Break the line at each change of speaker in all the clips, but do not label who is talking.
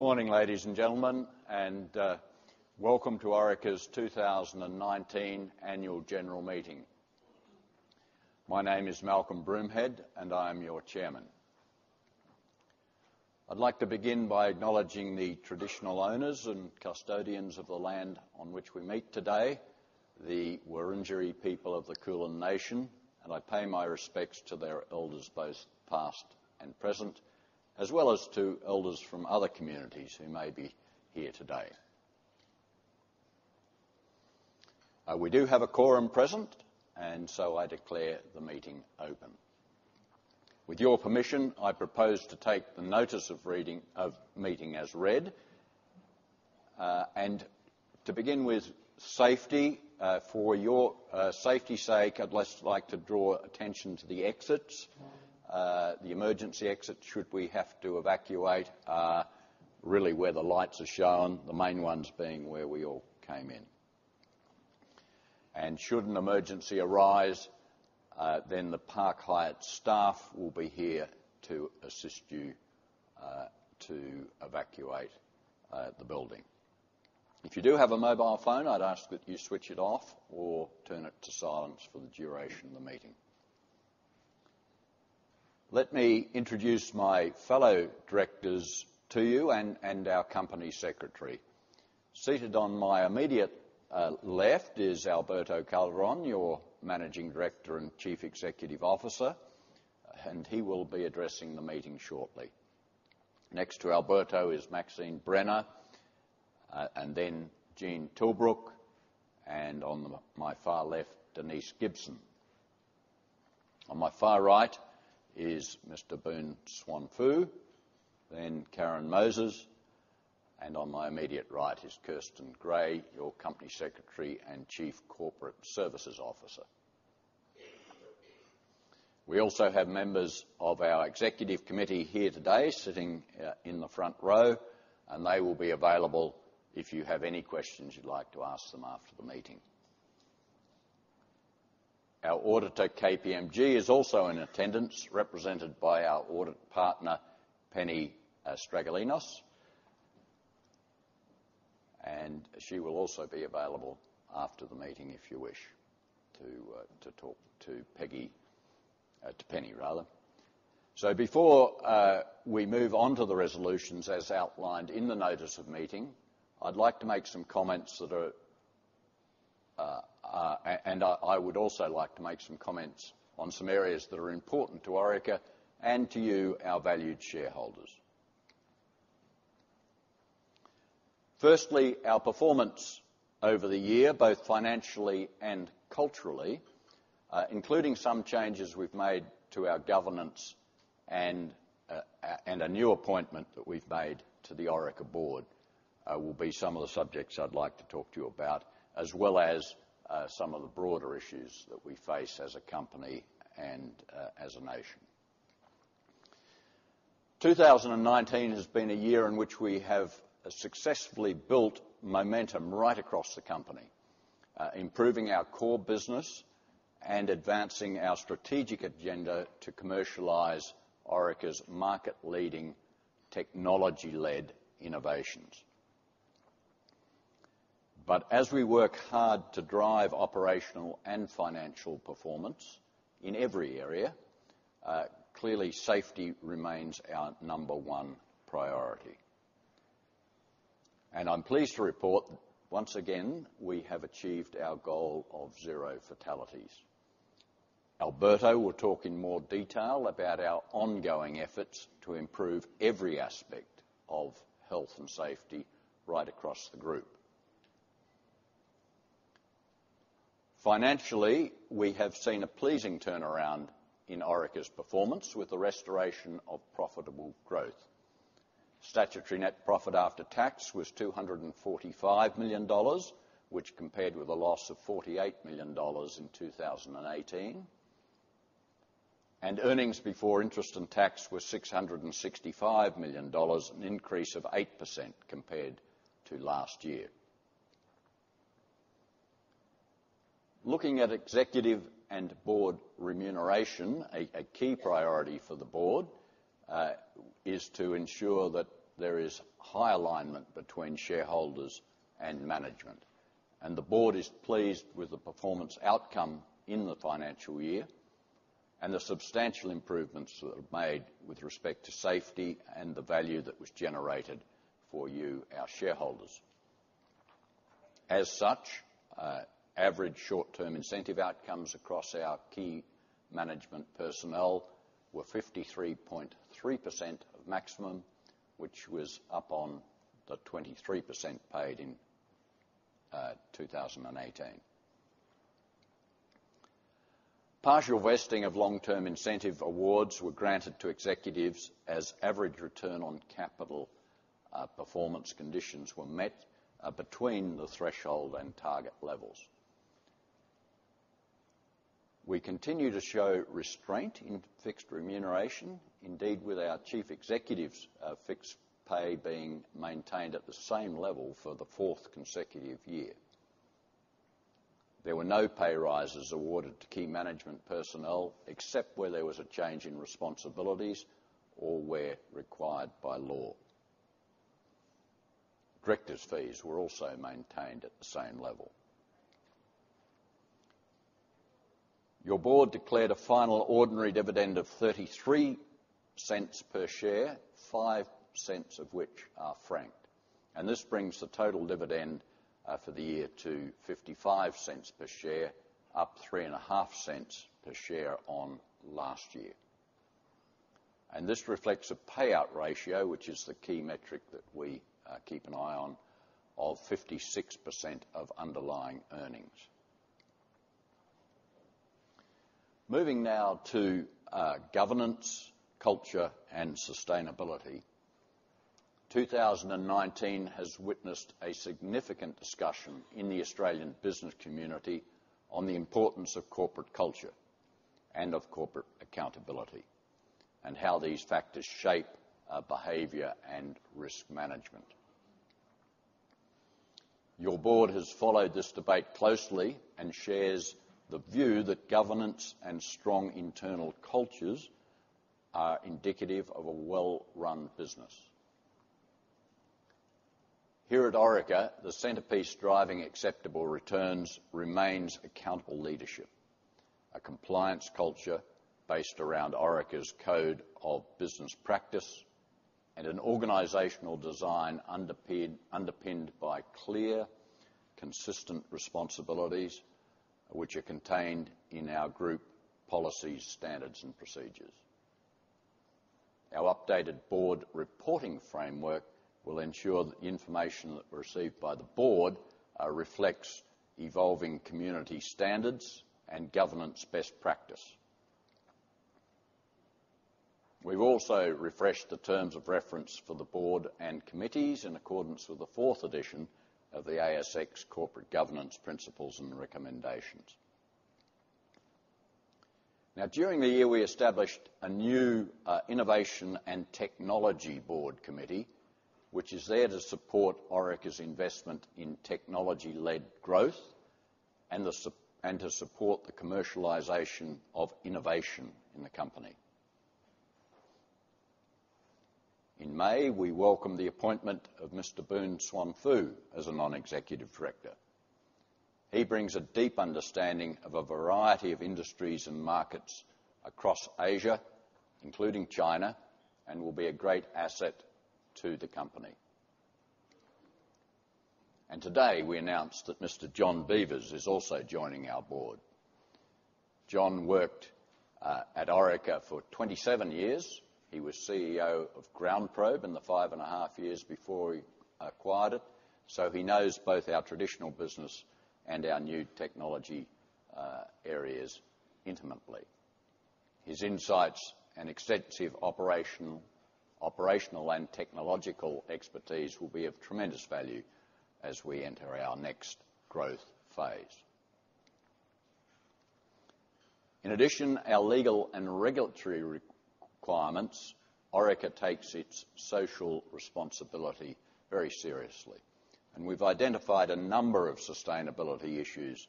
Good morning, ladies and gentlemen, and welcome to Orica's 2019 Annual General Meeting. My name is Malcolm Broomhead, and I am your Chairman. I'd like to begin by acknowledging the traditional owners and custodians of the land on which we meet today, the Wurundjeri people of the Kulin nation, and I pay my respects to their elders, both past and present, as well as to elders from other communities who may be here today. We do have a quorum present. I declare the meeting open. With your permission, I propose to take the notice of meeting as read. To begin with safety. For your safety's sake, I'd like to draw attention to the exits. The emergency exits, should we have to evacuate, are really where the lights are shown, the main ones being where we all came in. Should an emergency arise, then the Park Hyatt staff will be here to assist you to evacuate the building. If you do have a mobile phone, I'd ask that you switch it off or turn it to silence for the duration of the meeting. Let me introduce my fellow Directors to you and our Company Secretary. Seated on my immediate left is Alberto Calderon, your Managing Director and Chief Executive Officer, and he will be addressing the meeting shortly. Next to Alberto is Maxine Brenner, and then Gene Tilbrook, and on my far left, Denise Gibson. On my far right is Mr. Boon Swan Foo, then Karen Moses, and on my immediate right is Kirsten Gray, your Company Secretary and Chief Corporate Services Officer. We also have members of our executive committee here today sitting in the front row, and they will be available if you have any questions you'd like to ask them after the meeting. Our auditor, KPMG, is also in attendance, represented by our audit partner, Penny Stragalinos. She will also be available after the meeting if you wish to talk to Penny, rather. Before we move on to the resolutions as outlined in the notice of meeting, I'd like to make some comments, and I would also like to make some comments on some areas that are important to Orica and to you, our valued shareholders. Firstly, our performance over the year, both financially and culturally, including some changes we've made to our governance and a new appointment that we've made to the Orica Board, will be some of the subjects I'd like to talk to you about, as well as some of the broader issues that we face as a company and as a nation. 2019 has been a year in which we have successfully built momentum right across the company, improving our core business and advancing our strategic agenda to commercialize Orica's market-leading, technology-led innovations. As we work hard to drive operational and financial performance in every area, clearly, safety remains our number one priority. I'm pleased to report, once again, we have achieved our goal of zero fatalities. Alberto will talk in more detail about our ongoing efforts to improve every aspect of health and safety right across the group. Financially, we have seen a pleasing turnaround in Orica's performance with the restoration of profitable growth. Statutory net profit after tax was 245 million dollars, which compared with a loss of 48 million dollars in 2018. EBIT were 665 million dollars, an increase of 8% compared to last year. Looking at executive and board remuneration, a key priority for the board is to ensure that there is high alignment between shareholders and management, the board is pleased with the performance outcome in the financial year and the substantial improvements that were made with respect to safety and the value that was generated for you, our shareholders. As such, average short-term incentive outcomes across our key management personnel were 53.3% of maximum, which was up on the 23% paid in 2018. Partial vesting of long-term incentive awards were granted to executives as average return on capital performance conditions were met between the threshold and target levels. We continue to show restraint in fixed remuneration. Indeed, with our chief executive's fixed pay being maintained at the same level for the fourth consecutive year. There were no pay rises awarded to key management personnel except where there was a change in responsibilities or where required by law. Director's fees were also maintained at the same level. Your board declared a final ordinary dividend of 0.33 per share, 0.05 of which are franked. This brings the total dividend for the year to 0.55 per share, up 0.035 per share on last year. This reflects a payout ratio, which is the key metric that we keep an eye on, of 56% of underlying earnings. Moving now to governance, culture, and sustainability. 2019 has witnessed a significant discussion in the Australian business community on the importance of corporate culture and of corporate accountability, and how these factors shape behavior and risk management. Your board has followed this debate closely and shares the view that governance and strong internal cultures are indicative of a well-run business. Here at Orica, the centerpiece driving acceptable returns remains accountable leadership, a compliance culture based around Orica's code of business practice, and an organizational design underpinned by clear, consistent responsibilities, which are contained in our group policies, standards, and procedures. Our updated board reporting framework will ensure that the information that was received by the board reflects evolving community standards and governance best practice. We've also refreshed the terms of reference for the board and committees in accordance with the fourth edition of the ASX Corporate Governance Principles and Recommendations. Now, during the year, we established a new Innovation and Technology Committee, which is there to support Orica's investment in technology-led growth and to support the commercialization of innovation in the company. In May, we welcomed the appointment of Mr. Boon Swan Foo as a non-executive director. He brings a deep understanding of a variety of industries and markets across Asia, including China, and will be a great asset to the company. Today we announced that Mr. John Beevers is also joining our board. John worked at Orica for 27 years. He was CEO of GroundProbe in the five and a half years before he acquired it, so he knows both our traditional business and our new technology areas intimately. His insights and extensive operational and technological expertise will be of tremendous value as we enter our next growth phase. In addition, our legal and regulatory requirements, Orica takes its social responsibility very seriously, and we've identified a number of sustainability issues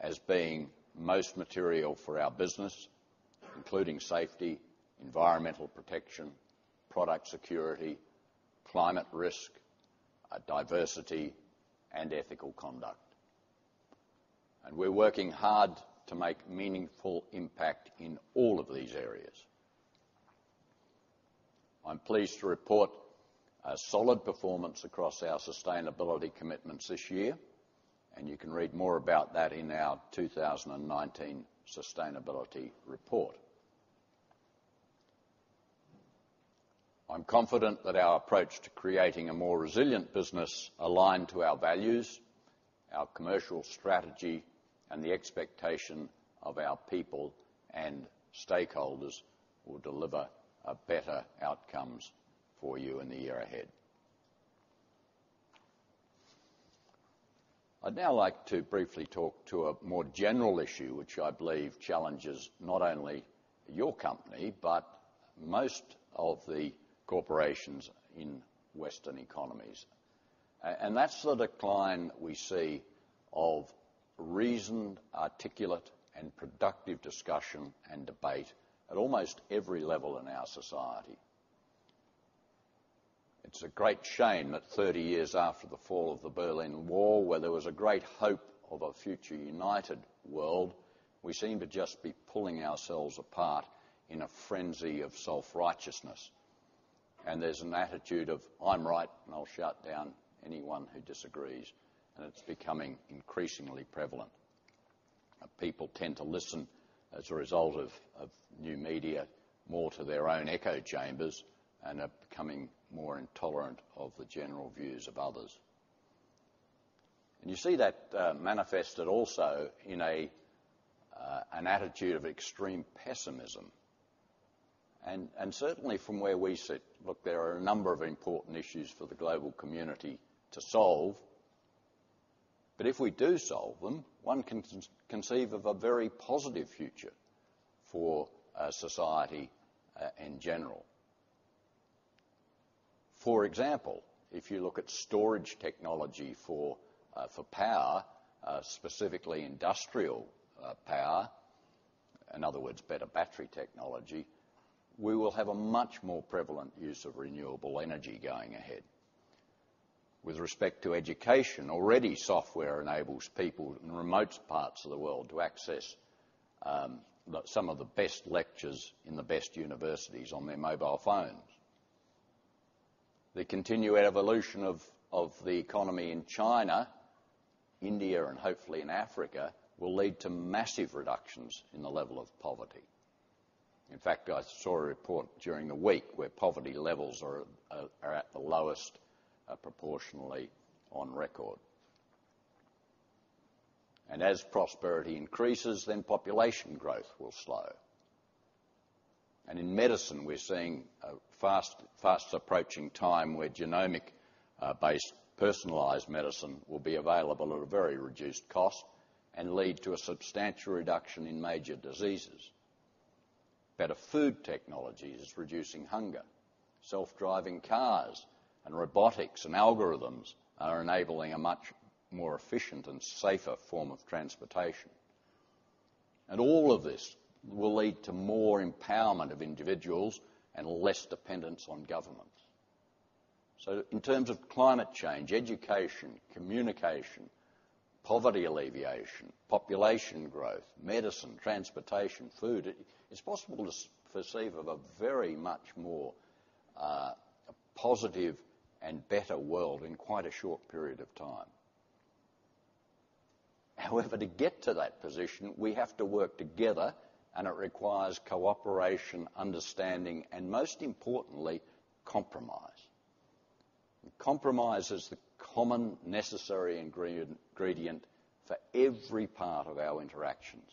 as being most material for our business, including safety, environmental protection, product security, climate risk, diversity, and ethical conduct. We're working hard to make meaningful impact in all of these areas. I'm pleased to report a solid performance across our sustainability commitments this year, and you can read more about that in our 2019 sustainability report. I'm confident that our approach to creating a more resilient business aligned to our values, our commercial strategy, and the expectation of our people and stakeholders will deliver better outcomes for you in the year ahead. I'd now like to briefly talk to a more general issue, which I believe challenges not only your company, but most of the corporations in Western economies. That's the decline we see of reasoned, articulate, and productive discussion and debate at almost every level in our society. It's a great shame that 30 years after the fall of the Berlin Wall, where there was a great hope of a future united world, we seem to just be pulling ourselves apart in a frenzy of self-righteousness. There's an attitude of, "I'm right, and I'll shut down anyone who disagrees," and it's becoming increasingly prevalent. People tend to listen as a result of new media, more to their own echo chambers, and are becoming more intolerant of the general views of others. You see that manifested also in an attitude of extreme pessimism. Certainly from where we sit, look, there are a number of important issues for the global community to solve. If we do solve them, one can conceive of a very positive future for society in general. For example, if you look at storage technology for power, specifically industrial power, in other words, better battery technology, we will have a much more prevalent use of renewable energy going ahead. With respect to education, already software enables people in remote parts of the world to access some of the best lectures in the best universities on their mobile phones. The continued evolution of the economy in China, India, and hopefully in Africa, will lead to massive reductions in the level of poverty. In fact, I saw a report during the week where poverty levels are at the lowest, proportionally, on record. As prosperity increases, then population growth will slow. In medicine, we're seeing a fast-approaching time where genomic-based personalized medicine will be available at a very reduced cost and lead to a substantial reduction in major diseases. Better food technology is reducing hunger. Self-driving cars and robotics and algorithms are enabling a much more efficient and safer form of transportation. All of this will lead to more empowerment of individuals and less dependence on governments. In terms of climate change, education, communication, poverty alleviation, population growth, medicine, transportation, food, it's possible to perceive a very much more positive and better world in quite a short period of time. However, to get to that position, we have to work together, and it requires cooperation, understanding, and most importantly, compromise. Compromise is the common necessary ingredient for every part of our interactions.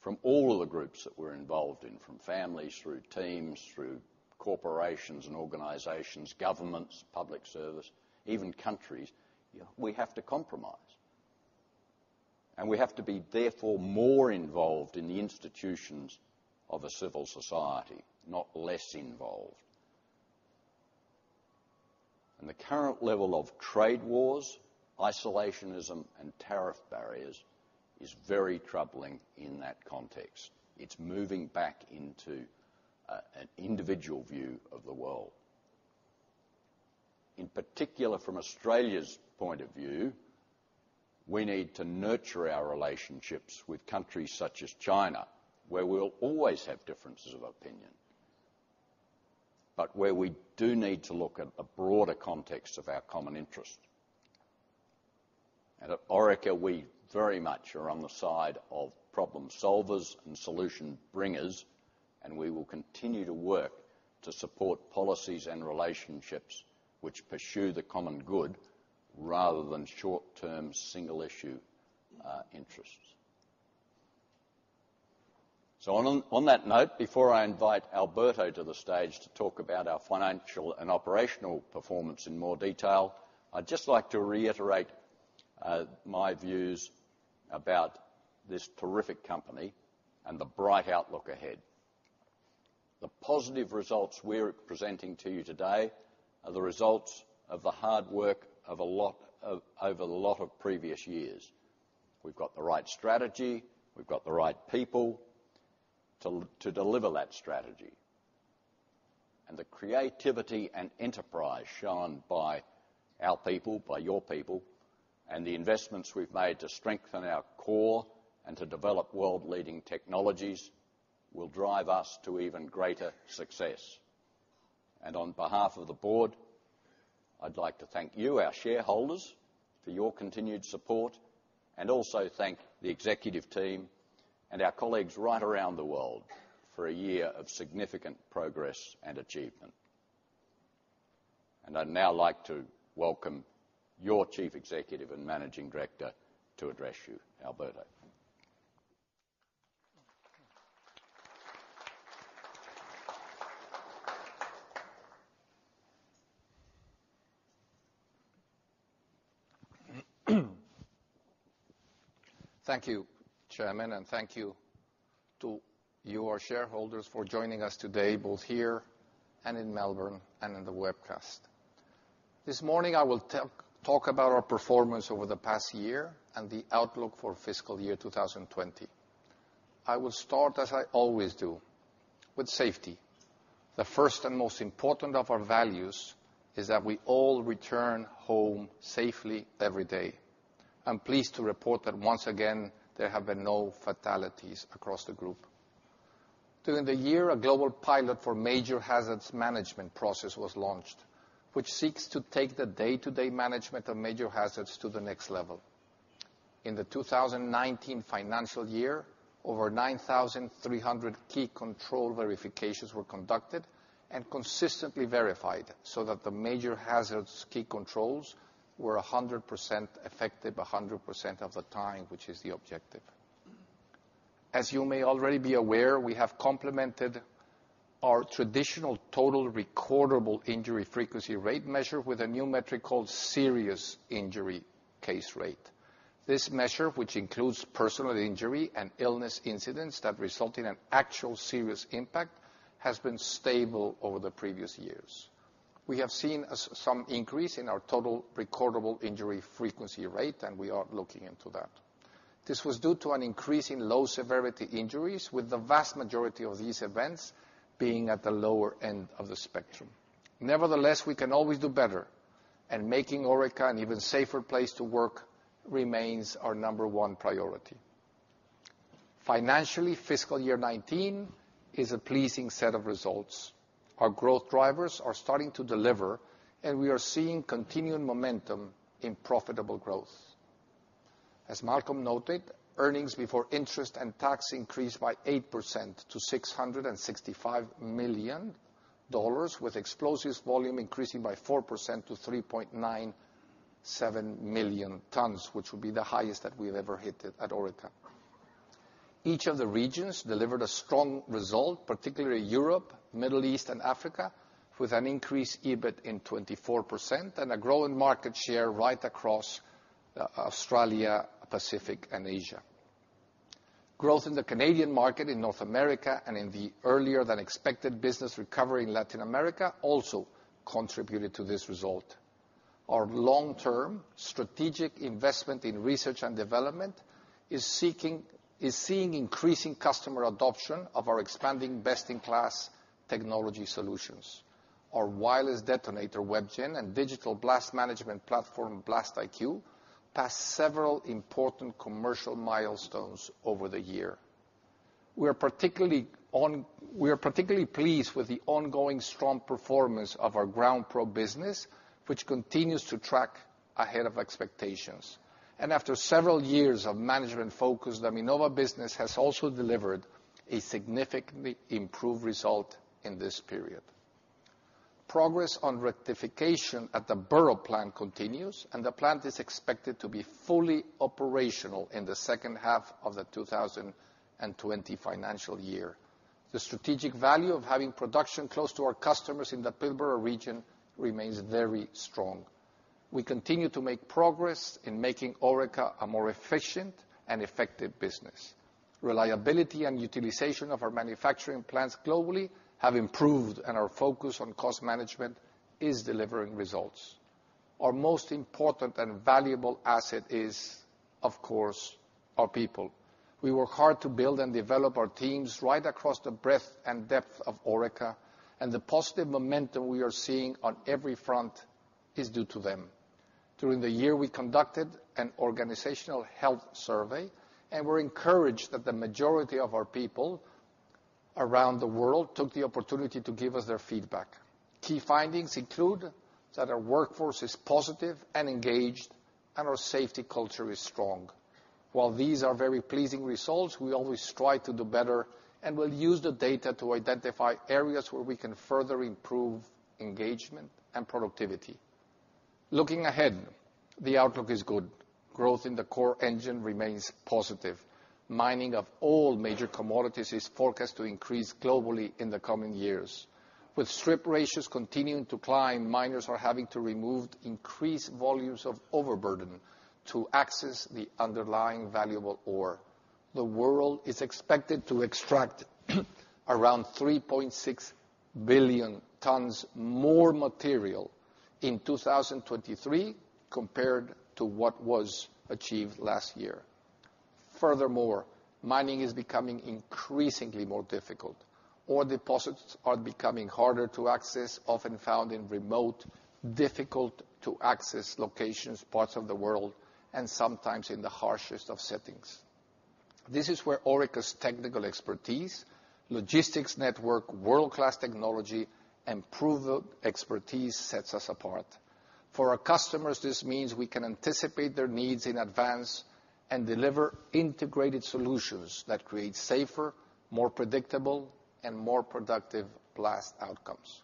From all of the groups that we're involved in, from families through teams, through corporations and organizations, governments, public service, even countries, we have to compromise. We have to be therefore more involved in the institutions of a civil society, not less involved. The current level of trade wars, isolationism, and tariff barriers is very troubling in that context. It's moving back into an individual view of the world. In particular, from Australia's point of view, we need to nurture our relationships with countries such as China, where we'll always have differences of opinion, but where we do need to look at a broader context of our common interest. At Orica, we very much are on the side of problem solvers and solution bringers, and we will continue to work to support policies and relationships which pursue the common good rather than short-term, single-issue interests. On that note, before I invite Alberto to the stage to talk about our financial and operational performance in more detail, I'd just like to reiterate my views about this terrific company and the bright outlook ahead. The positive results we're presenting to you today are the results of the hard work over a lot of previous years. We've got the right strategy, we've got the right people to deliver that strategy. The creativity and enterprise shown by our people, by your people, and the investments we've made to strengthen our core and to develop world-leading technologies will drive us to even greater success. On behalf of the board, I'd like to thank you, our shareholders, for your continued support, and also thank the executive team and our colleagues right around the world for a year of significant progress and achievement. I'd now like to welcome your chief executive and managing director to address you. Alberto.
Thank you, Chairman, and thank you to you, our shareholders, for joining us today, both here and in Melbourne and in the webcast. This morning, I will talk about our performance over the past year and the outlook for FY 2020. I will start, as I always do, with safety. The first and most important of our values is that we all return home safely every day. I'm pleased to report that once again, there have been no fatalities across the group. During the year, a global pilot for major hazards management process was launched, which seeks to take the day-to-day management of major hazards to the next level. In the 2019 financial year, over 9,300 key control verifications were conducted and consistently verified so that the major hazards key controls were 100% effective 100% of the time, which is the objective. As you may already be aware, we have complemented our traditional Total Recordable Injury Frequency Rate measure with a new metric called Serious Injury Case Rate. This measure, which includes personal injury and illness incidents that result in an actual serious impact, has been stable over the previous years. We have seen some increase in our Total Recordable Injury Frequency Rate, and we are looking into that. This was due to an increase in low-severity injuries with the vast majority of these events being at the lower end of the spectrum. Nevertheless, we can always do better, and making Orica an even safer place to work remains our number one priority. Financially, fiscal year 2019 is a pleasing set of results. Our growth drivers are starting to deliver, and we are seeing continuing momentum in profitable growth. As Malcolm noted, earnings before interest and tax increased by 8% to 665 million dollars, with explosives volume increasing by 4% to 3.97 million tons, which will be the highest that we've ever hit at Orica. Each of the regions delivered a strong result, particularly Europe, Middle East, and Africa, with an increased EBIT in 24% and a growing market share right across Australia, Pacific, and Asia. Growth in the Canadian market in North America and in the earlier-than-expected business recovery in Latin America also contributed to this result. Our long-term strategic investment in research and development is seeing increasing customer adoption of our expanding best-in-class technology solutions. Our wireless detonator, WebGen, and digital blast management platform, BlastIQ, passed several important commercial milestones over the year. We are particularly pleased with the ongoing strong performance of our GroundProbe business, which continues to track ahead of expectations. After several years of management focus, the Minova business has also delivered a significantly improved result in this period. Progress on rectification at the Burrup plant continues, and the plant is expected to be fully operational in the second half of the 2020 financial year. The strategic value of having production close to our customers in the Pilbara region remains very strong. We continue to make progress in making Orica a more efficient and effective business. Reliability and utilization of our manufacturing plants globally have improved, and our focus on cost management is delivering results. Our most important and valuable asset is, of course, our people. We work hard to build and develop our teams right across the breadth and depth of Orica, and the positive momentum we are seeing on every front is due to them. During the year, we conducted an organizational health survey, and we're encouraged that the majority of our people around the world took the opportunity to give us their feedback. Key findings include that our workforce is positive and engaged, and our safety culture is strong. While these are very pleasing results, we always strive to do better, and we'll use the data to identify areas where we can further improve engagement and productivity. Looking ahead, the outlook is good. Growth in the core engine remains positive. Mining of all major commodities is forecast to increase globally in the coming years. With strip ratios continuing to climb, miners are having to remove increased volumes of overburden to access the underlying valuable ore. The world is expected to extract around 3.6 billion tons more material in 2023 compared to what was achieved last year. Furthermore, mining is becoming increasingly more difficult. Ore deposits are becoming harder to access, often found in remote, difficult-to-access locations, parts of the world, and sometimes in the harshest of settings. This is where Orica's technical expertise, logistics network, world-class technology, and proven expertise sets us apart. For our customers, this means we can anticipate their needs in advance and deliver integrated solutions that create safer, more predictable, and more productive blast outcomes.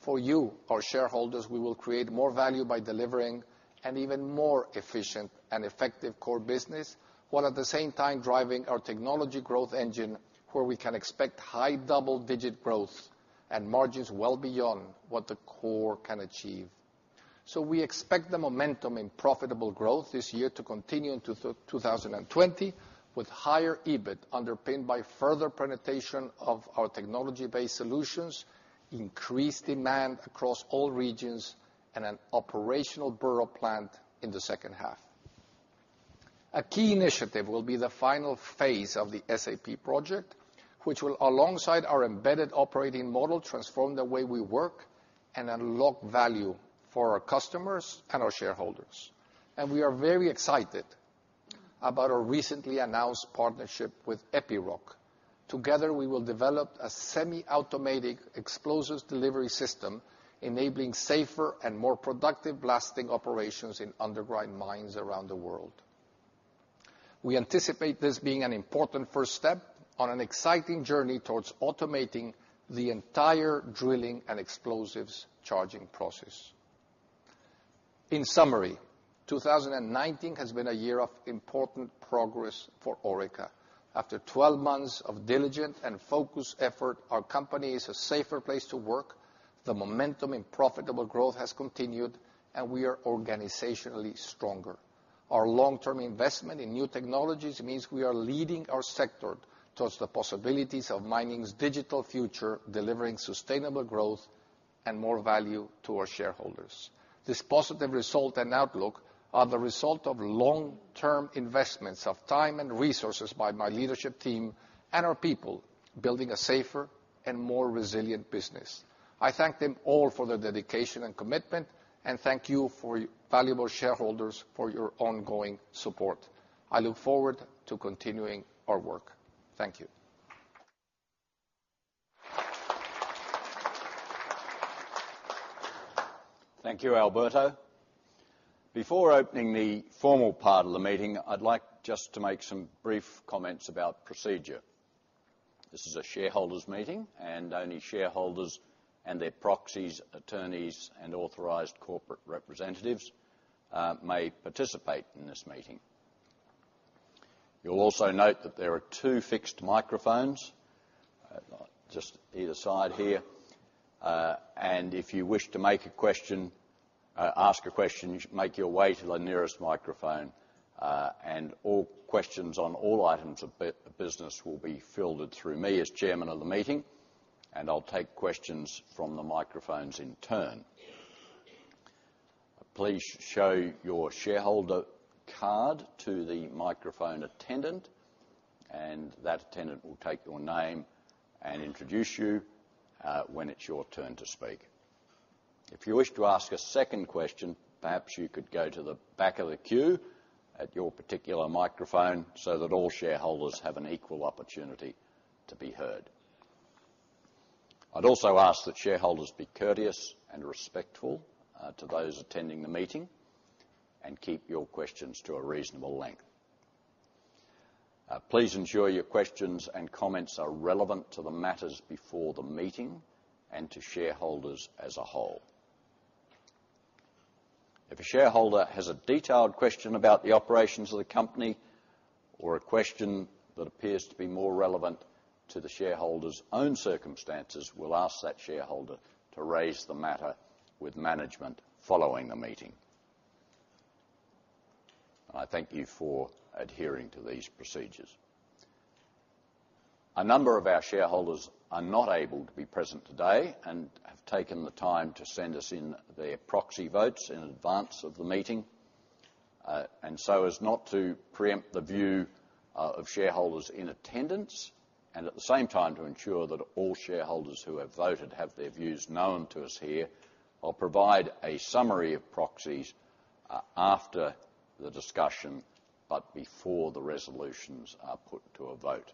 For you, our shareholders, we will create more value by delivering an even more efficient and effective core business, while at the same time driving our technology growth engine where we can expect high double-digit growth and margins well beyond what the core can achieve. We expect the momentum in profitable growth this year to continue into 2020 with higher EBIT underpinned by further penetration of our technology-based solutions, increased demand across all regions, and an operational Burrup plant in the second half. A key initiative will be the final phase of the SAP project, which will, alongside our embedded operating model, transform the way we work and unlock value for our customers and our shareholders. We are very excited about our recently announced partnership with Epiroc. Together, we will develop a semi-automated explosives delivery system, enabling safer and more productive blasting operations in underground mines around the world. We anticipate this being an important first step on an exciting journey towards automating the entire drilling and explosives charging process. In summary, 2019 has been a year of important progress for Orica. After 12 months of diligent and focused effort, our company is a safer place to work, the momentum in profitable growth has continued, and we are organizationally stronger. Our long-term investment in new technologies means we are leading our sector towards the possibilities of mining's digital future, delivering sustainable growth and more value to our shareholders. This positive result and outlook are the result of long-term investments of time and resources by my leadership team and our people, building a safer and more resilient business. I thank them all for their dedication and commitment, and thank you for valuable shareholders for your ongoing support. I look forward to continuing our work. Thank you.
Thank you, Alberto. Before opening the formal part of the meeting, I'd like just to make some brief comments about procedure. This is a shareholders meeting, and only shareholders and their proxies, attorneys, and authorized corporate representatives may participate in this meeting. You'll also note that there are two fixed microphones, just either side here. If you wish to make a question, ask a question, make your way to the nearest microphone. All questions on all items of business will be filtered through me as chairman of the meeting. I'll take questions from the microphones in turn. Please show your shareholder card to the microphone attendant, and that attendant will take your name and introduce you, when it's your turn to speak. If you wish to ask a second question, perhaps you could go to the back of the queue at your particular microphone so that all shareholders have an equal opportunity to be heard. I'd also ask that shareholders be courteous and respectful to those attending the meeting, and keep your questions to a reasonable length. Please ensure your questions and comments are relevant to the matters before the meeting and to shareholders as a whole. If a shareholder has a detailed question about the operations of the company or a question that appears to be more relevant to the shareholder's own circumstances, we'll ask that shareholder to raise the matter with management following the meeting. I thank you for adhering to these procedures. A number of our shareholders are not able to be present today and have taken the time to send us in their proxy votes in advance of the meeting. As not to preempt the view of shareholders in attendance, and at the same time, to ensure that all shareholders who have voted have their views known to us here, I'll provide a summary of proxies after the discussion, but before the resolutions are put to a vote.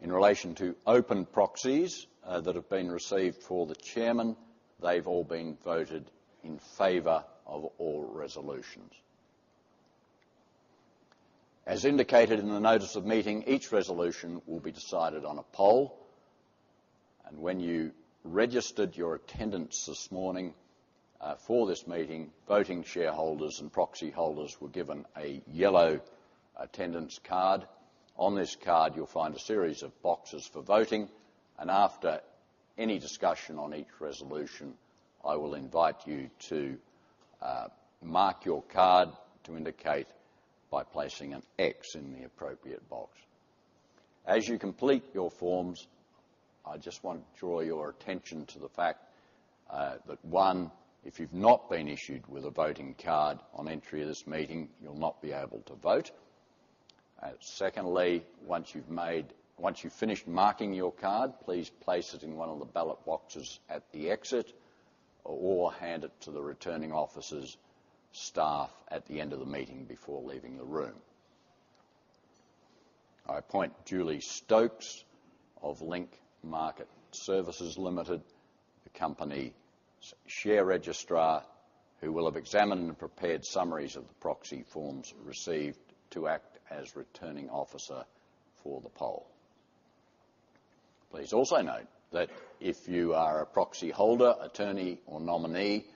In relation to open proxies that have been received for the chairman, they've all been voted in favor of all resolutions. As indicated in the notice of meeting, each resolution will be decided on a poll. When you registered your attendance this morning for this meeting, voting shareholders and proxy holders were given a yellow attendance card. On this card, you'll find a series of boxes for voting. After any discussion on each resolution, I will invite you to mark your card to indicate by placing an X in the appropriate box. As you complete your forms, I just want to draw your attention to the fact that, one, if you've not been issued with a voting card on entry of this meeting, you'll not be able to vote. Secondly, once you've finished marking your card, please place it in one of the ballot boxes at the exit or hand it to the returning officer's staff at the end of the meeting before leaving the room. I appoint Julie Stokes of Link Market Services Limited, the company share registrar, who will have examined and prepared summaries of the proxy forms received to act as returning officer for the poll. Please also note that if you are a proxy holder, attorney, or nominee,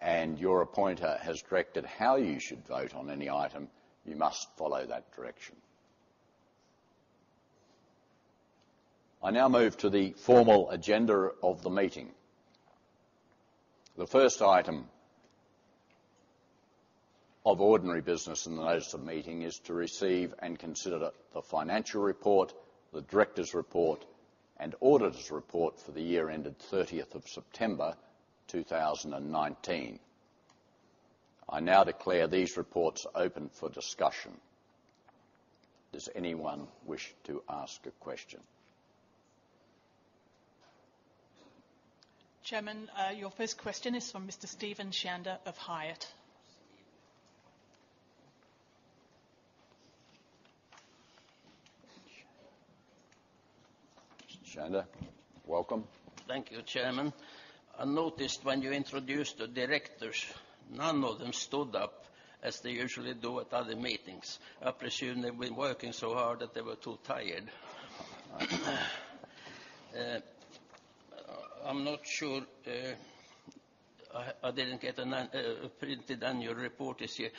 and your appointer has directed how you should vote on any item, you must follow that direction. I now move to the formal agenda of the meeting. The first item of ordinary business in the notice of meeting is to receive and consider the financial report, the director's report, and auditor's report for the year ended 30th of September 2019. I now declare these reports open for discussion. Does anyone wish to ask a question?
Chairman, your first question is from Mr. Steven Schneider of Hyatt.
Mr. Schneider, welcome.
Thank you, Chairman. I noticed when you introduced the directors, none of them stood up as they usually do at other meetings. I presume they've been working so hard that they were too tired. I'm not sure, I didn't get a printed annual report this year.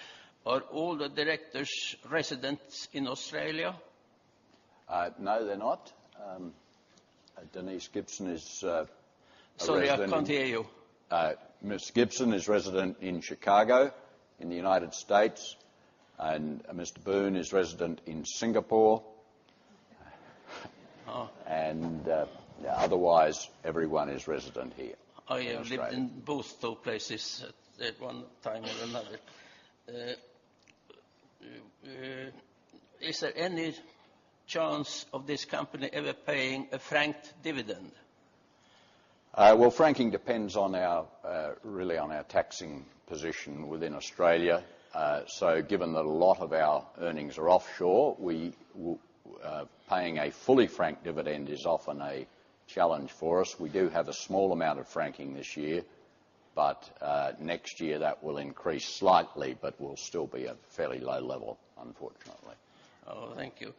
Are all the directors residents in Australia?
No, they're not. Denise Gibson is a resident-
Sonja Clontario
Ms. Gibson is resident in Chicago in the United States, and Mr. Boon is resident in Singapore.
Oh.
Otherwise, everyone is resident here in Australia.
I have lived in both those places at one time or another. Is there any chance of this company ever paying a franked dividend?
Franking depends really on our taxing position within Australia. Given that a lot of our earnings are offshore, paying a fully franked dividend is often a challenge for us. We do have a small amount of franking this year, but next year that will increase slightly but will still be a fairly low level, unfortunately.
Thank you.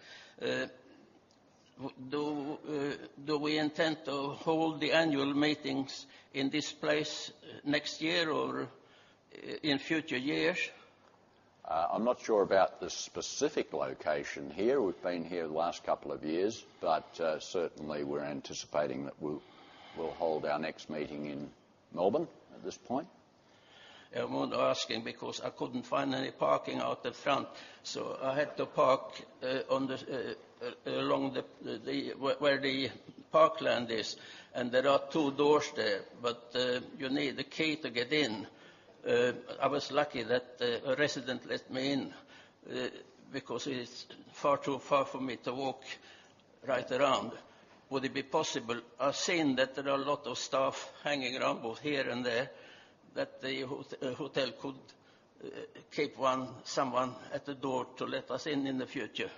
Do we intend to hold the annual meetings in this place next year or in future years?
I'm not sure about the specific location here. We've been here the last couple of years, certainly we're anticipating that we'll hold our next meeting in Melbourne at this point.
I'm only asking because I couldn't find any parking out the front, I had to park where the parkland is, there are two doors there, you need the key to get in. I was lucky that a resident let me in because it's far too far for me to walk right around. Would it be possible, I've seen that there are a lot of staff hanging around both here and there, that the hotel could keep someone at the door to let us in in the future?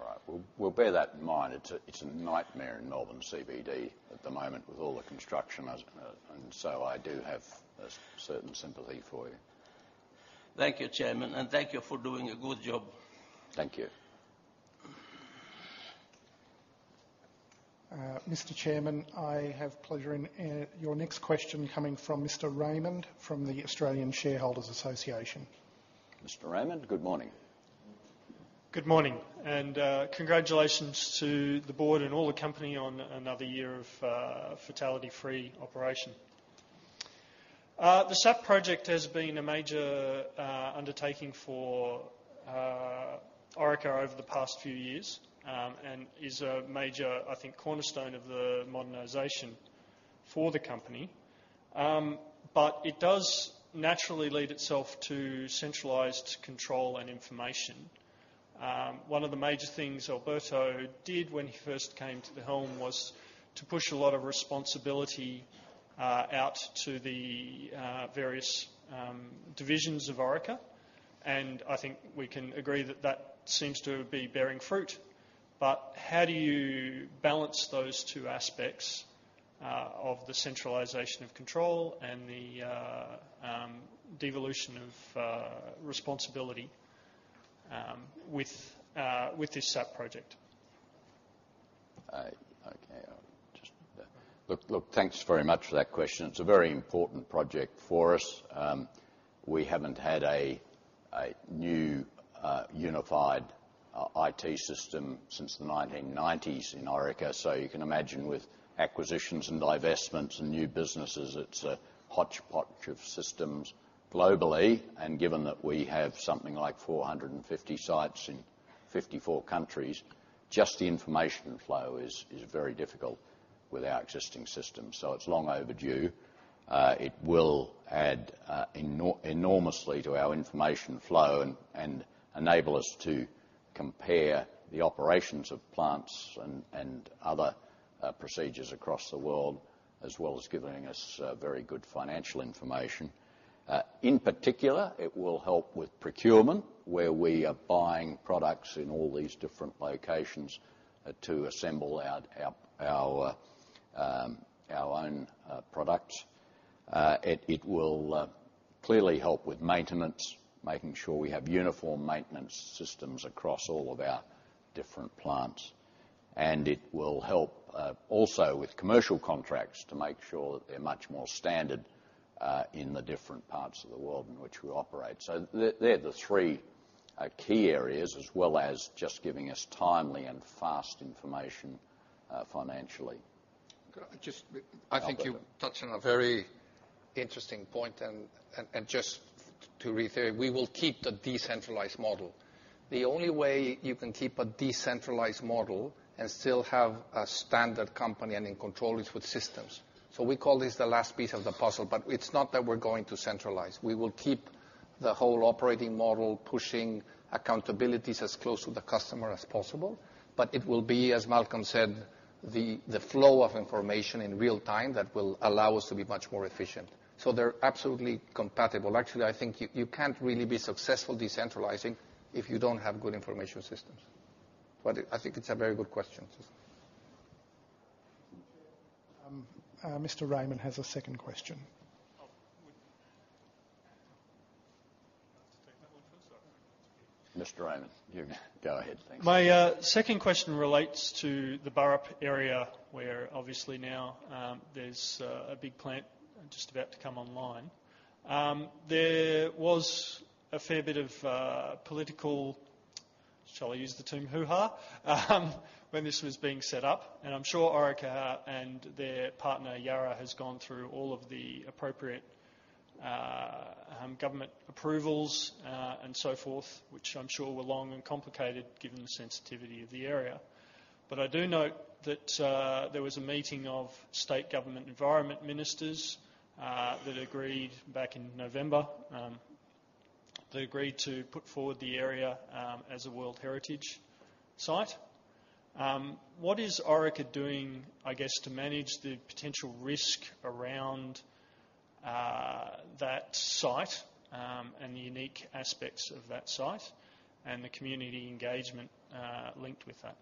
All right. We'll bear that in mind. It's a nightmare in Melbourne CBD at the moment with all the construction, and so I do have a certain sympathy for you.
Thank you, Chairman, and thank you for doing a good job.
Thank you.
Mr. Chairman, I have pleasure. Your next question coming from Mr. Raymond from the Australian Shareholders' Association.
Mr. Raymond, good morning.
Good morning. Congratulations to the board and all the company on another year of fatality-free operation. The SAP project has been a major undertaking for Orica over the past few years and is a major, I think, cornerstone of the modernization for the company. It does naturally lend itself to centralized control and information. One of the major things Alberto did when he first came to the helm was to push a lot of responsibility out to the various divisions of Orica. I think we can agree that that seems to be bearing fruit. How do you balance those two aspects of the centralization of control and the devolution of responsibility with this SAP project?
Okay. Look, thanks very much for that question. It's a very important project for us. We haven't had a new unified IT system since the 1990s in Orica. You can imagine with acquisitions and divestments and new businesses, it's a hodgepodge of systems globally. Given that we have something like 450 sites in 54 countries, just the information flow is very difficult with our existing system. It's long overdue. It will add enormously to our information flow and enable us to compare the operations of plants and other procedures across the world, as well as giving us very good financial information. In particular, it will help with procurement, where we are buying products in all these different locations to assemble our own products. It will clearly help with maintenance, making sure we have uniform maintenance systems across all of our different plants. It will help also with commercial contracts to make sure that they're much more standard in the different parts of the world in which we operate. They're the three key areas, as well as just giving us timely and fast information financially.
Could I Alberto I think you touched on a very interesting point and just to reiterate, we will keep the decentralized model. The only way you can keep a decentralized model and still have a standard company and in control is with systems. We call this the last piece of the puzzle, but it's not that we're going to centralize. We will keep the whole operating model pushing accountabilities as close to the customer as possible. It will be, as Malcolm said, the flow of information in real time that will allow us to be much more efficient. They're absolutely compatible. Actually, I think you can't really be successful decentralizing if you don't have good information systems. I think it's a very good question.
Mr. Chairman, Mr. Raymond has a second question.
Oh. Do you want us to take that one first.
Mr. Raymond, you go ahead. Thanks.
My second question relates to the Burrup area, where obviously now there's a big plant just about to come online. There was a fair bit of political Shall I use the term hoo-ha? When this was being set up, I'm sure Orica and their partner, Yara, has gone through all of the appropriate government approvals and so forth, which I'm sure were long and complicated given the sensitivity of the area. I do note that there was a meeting of state government environment ministers that agreed back in November, they agreed to put forward the area as a World Heritage site. What is Orica doing, I guess, to manage the potential risk around that site, and the unique aspects of that site, and the community engagement linked with that?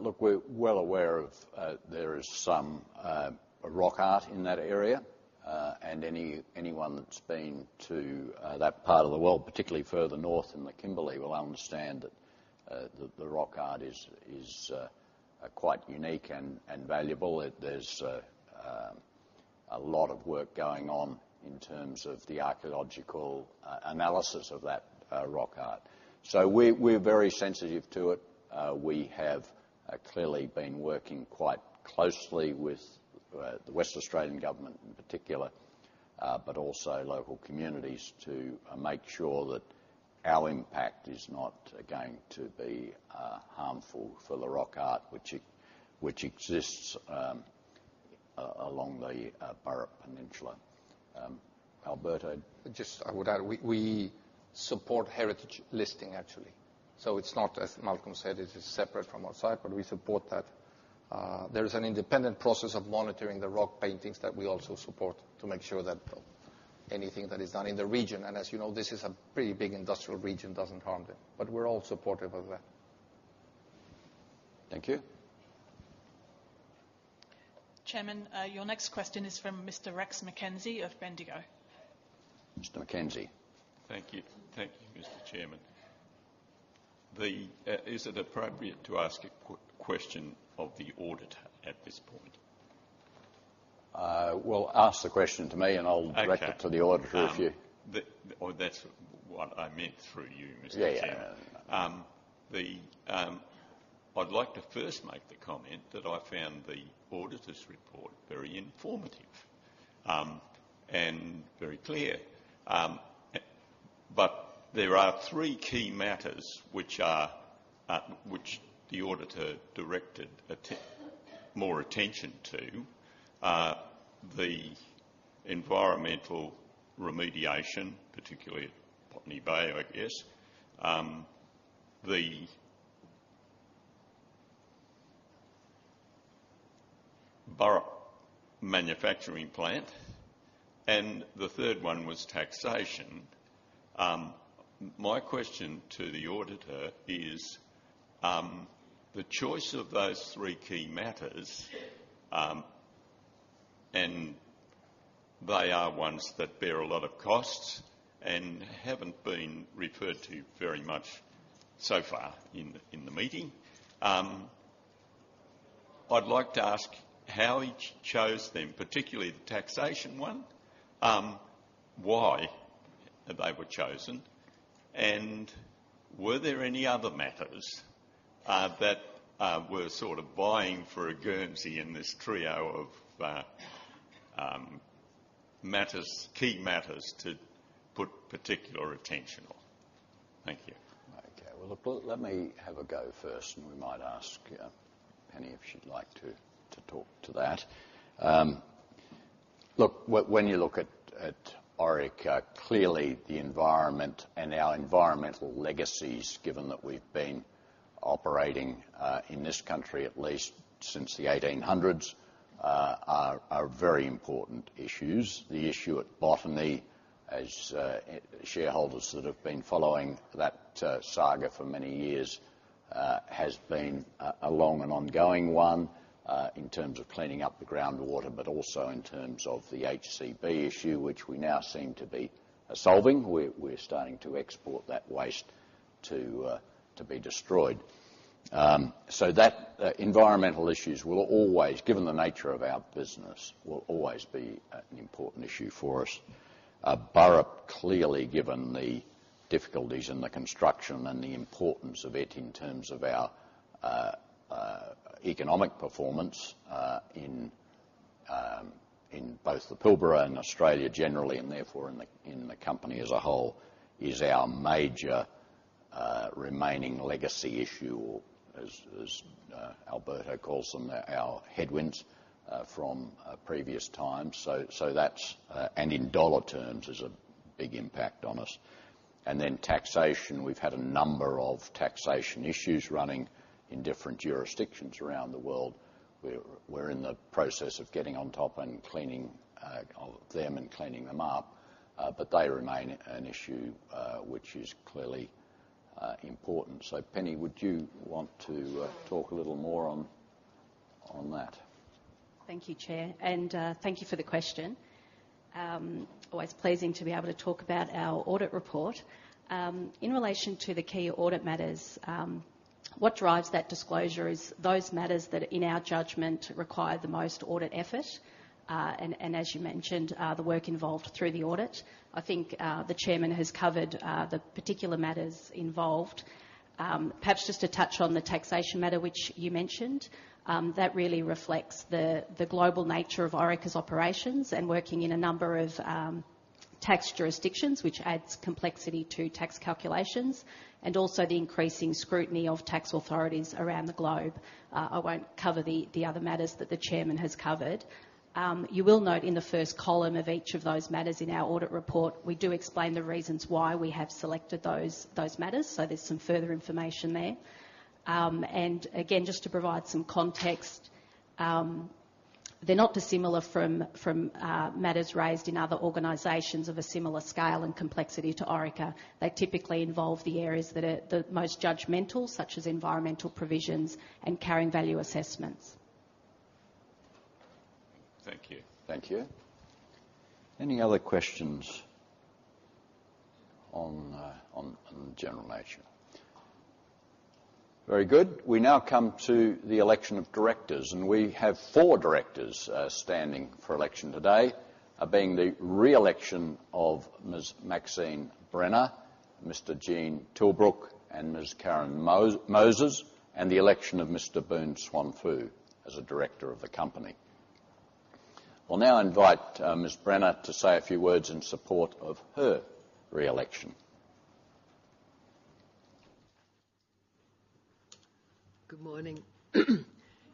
Look, we're well aware there is some rock art in that area. Anyone that's been to that part of the world, particularly further north in the Kimberley, will understand that the rock art is quite unique and valuable. There's a lot of work going on in terms of the archaeological analysis of that rock art. We're very sensitive to it. We have clearly been working quite closely with the West Australian Government in particular, but also local communities to make sure that our impact is not going to be harmful for the rock art which exists along the Burrup Peninsula. Alberto?
Just I would add, we support heritage listing, actually. It's not, as Malcolm said, it is separate from our site, but we support that. There is an independent process of monitoring the rock paintings that we also support to make sure that anything that is done in the region, and as you know, this is a pretty big industrial region, doesn't harm them. We're all supportive of that.
Thank you.
Chairman, your next question is from Mr Rex McKenzie of Bendigo.
Mr McKenzie.
Thank you. Thank you, Mr. Chairman. Is it appropriate to ask a question of the auditor at this point?
Well, ask the question to me, and I'll-
Okay
direct it to the auditor if you-
That's what I meant through you, Mr. Chairman.
Yeah.
I'd like to first make the comment that I found the auditor's report very informative and very clear. There are three key matters which the auditor directed more attention to. The environmental remediation, particularly at Botany Bay, I guess. The Burrup manufacturing plant. The third one was taxation. My question to the auditor is, the choice of those three key matters, and they are ones that bear a lot of costs and haven't been referred to very much so far in the meeting. I'd like to ask how he chose them, particularly the taxation one. Why they were chosen, and were there any other matters that were sort of vying for a guernsey in this trio of key matters to put particular attention on? Thank you.
Let me have a go first. We might ask Penny if she'd like to talk to that. When you look at Orica, clearly the environment and our environmental legacies, given that we've been operating in this country at least since the 1800s, are very important issues. The issue at Botany, as shareholders that have been following that saga for many years, has been a long and ongoing one in terms of cleaning up the groundwater, but also in terms of the HCB issue, which we now seem to be solving. We're starting to export that waste to be destroyed. Environmental issues, given the nature of our business, will always be an important issue for us. Burrup, clearly, given the difficulties in the construction and the importance of it in terms of our economic performance in both the Pilbara and Australia generally, and therefore in the company as a whole, is our major remaining legacy issue or, as Alberto calls them, our headwinds from previous times. In AUD terms is a big impact on us. Taxation, we've had a number of taxation issues running in different jurisdictions around the world. We're in the process of getting on top of them and cleaning them up. They remain an issue, which is clearly important. Penny, would you want to talk a little more on that?
Thank you, Chair. Thank you for the question. Always pleasing to be able to talk about our audit report. In relation to the key audit matters What drives that disclosure is those matters that, in our judgment, require the most audit effort, and as you mentioned, the work involved through the audit. I think the Chairman has covered the particular matters involved. Perhaps just to touch on the taxation matter, which you mentioned. That really reflects the global nature of Orica's operations and working in a number of tax jurisdictions, which adds complexity to tax calculations, and also the increasing scrutiny of tax authorities around the globe. I won't cover the other matters that the Chairman has covered. You will note in the first column of each of those matters in our audit report, we do explain the reasons why we have selected those matters. There's some further information there. Again, just to provide some context, they're not dissimilar from matters raised in other organizations of a similar scale and complexity to Orica. They typically involve the areas that are the most judgmental, such as environmental provisions and carrying value assessments.
Thank you.
Thank you. Any other questions on the general nature? Very good. We now come to the election of directors, we have four directors standing for election today, being the re-election of Ms. Maxine Brenner, Mr. Gene Tilbrook, and Ms. Karen Moses, and the election of Mr. Boon Swan Foo as a director of the company. We'll now invite Ms. Brenner to say a few words in support of her re-election.
Good morning.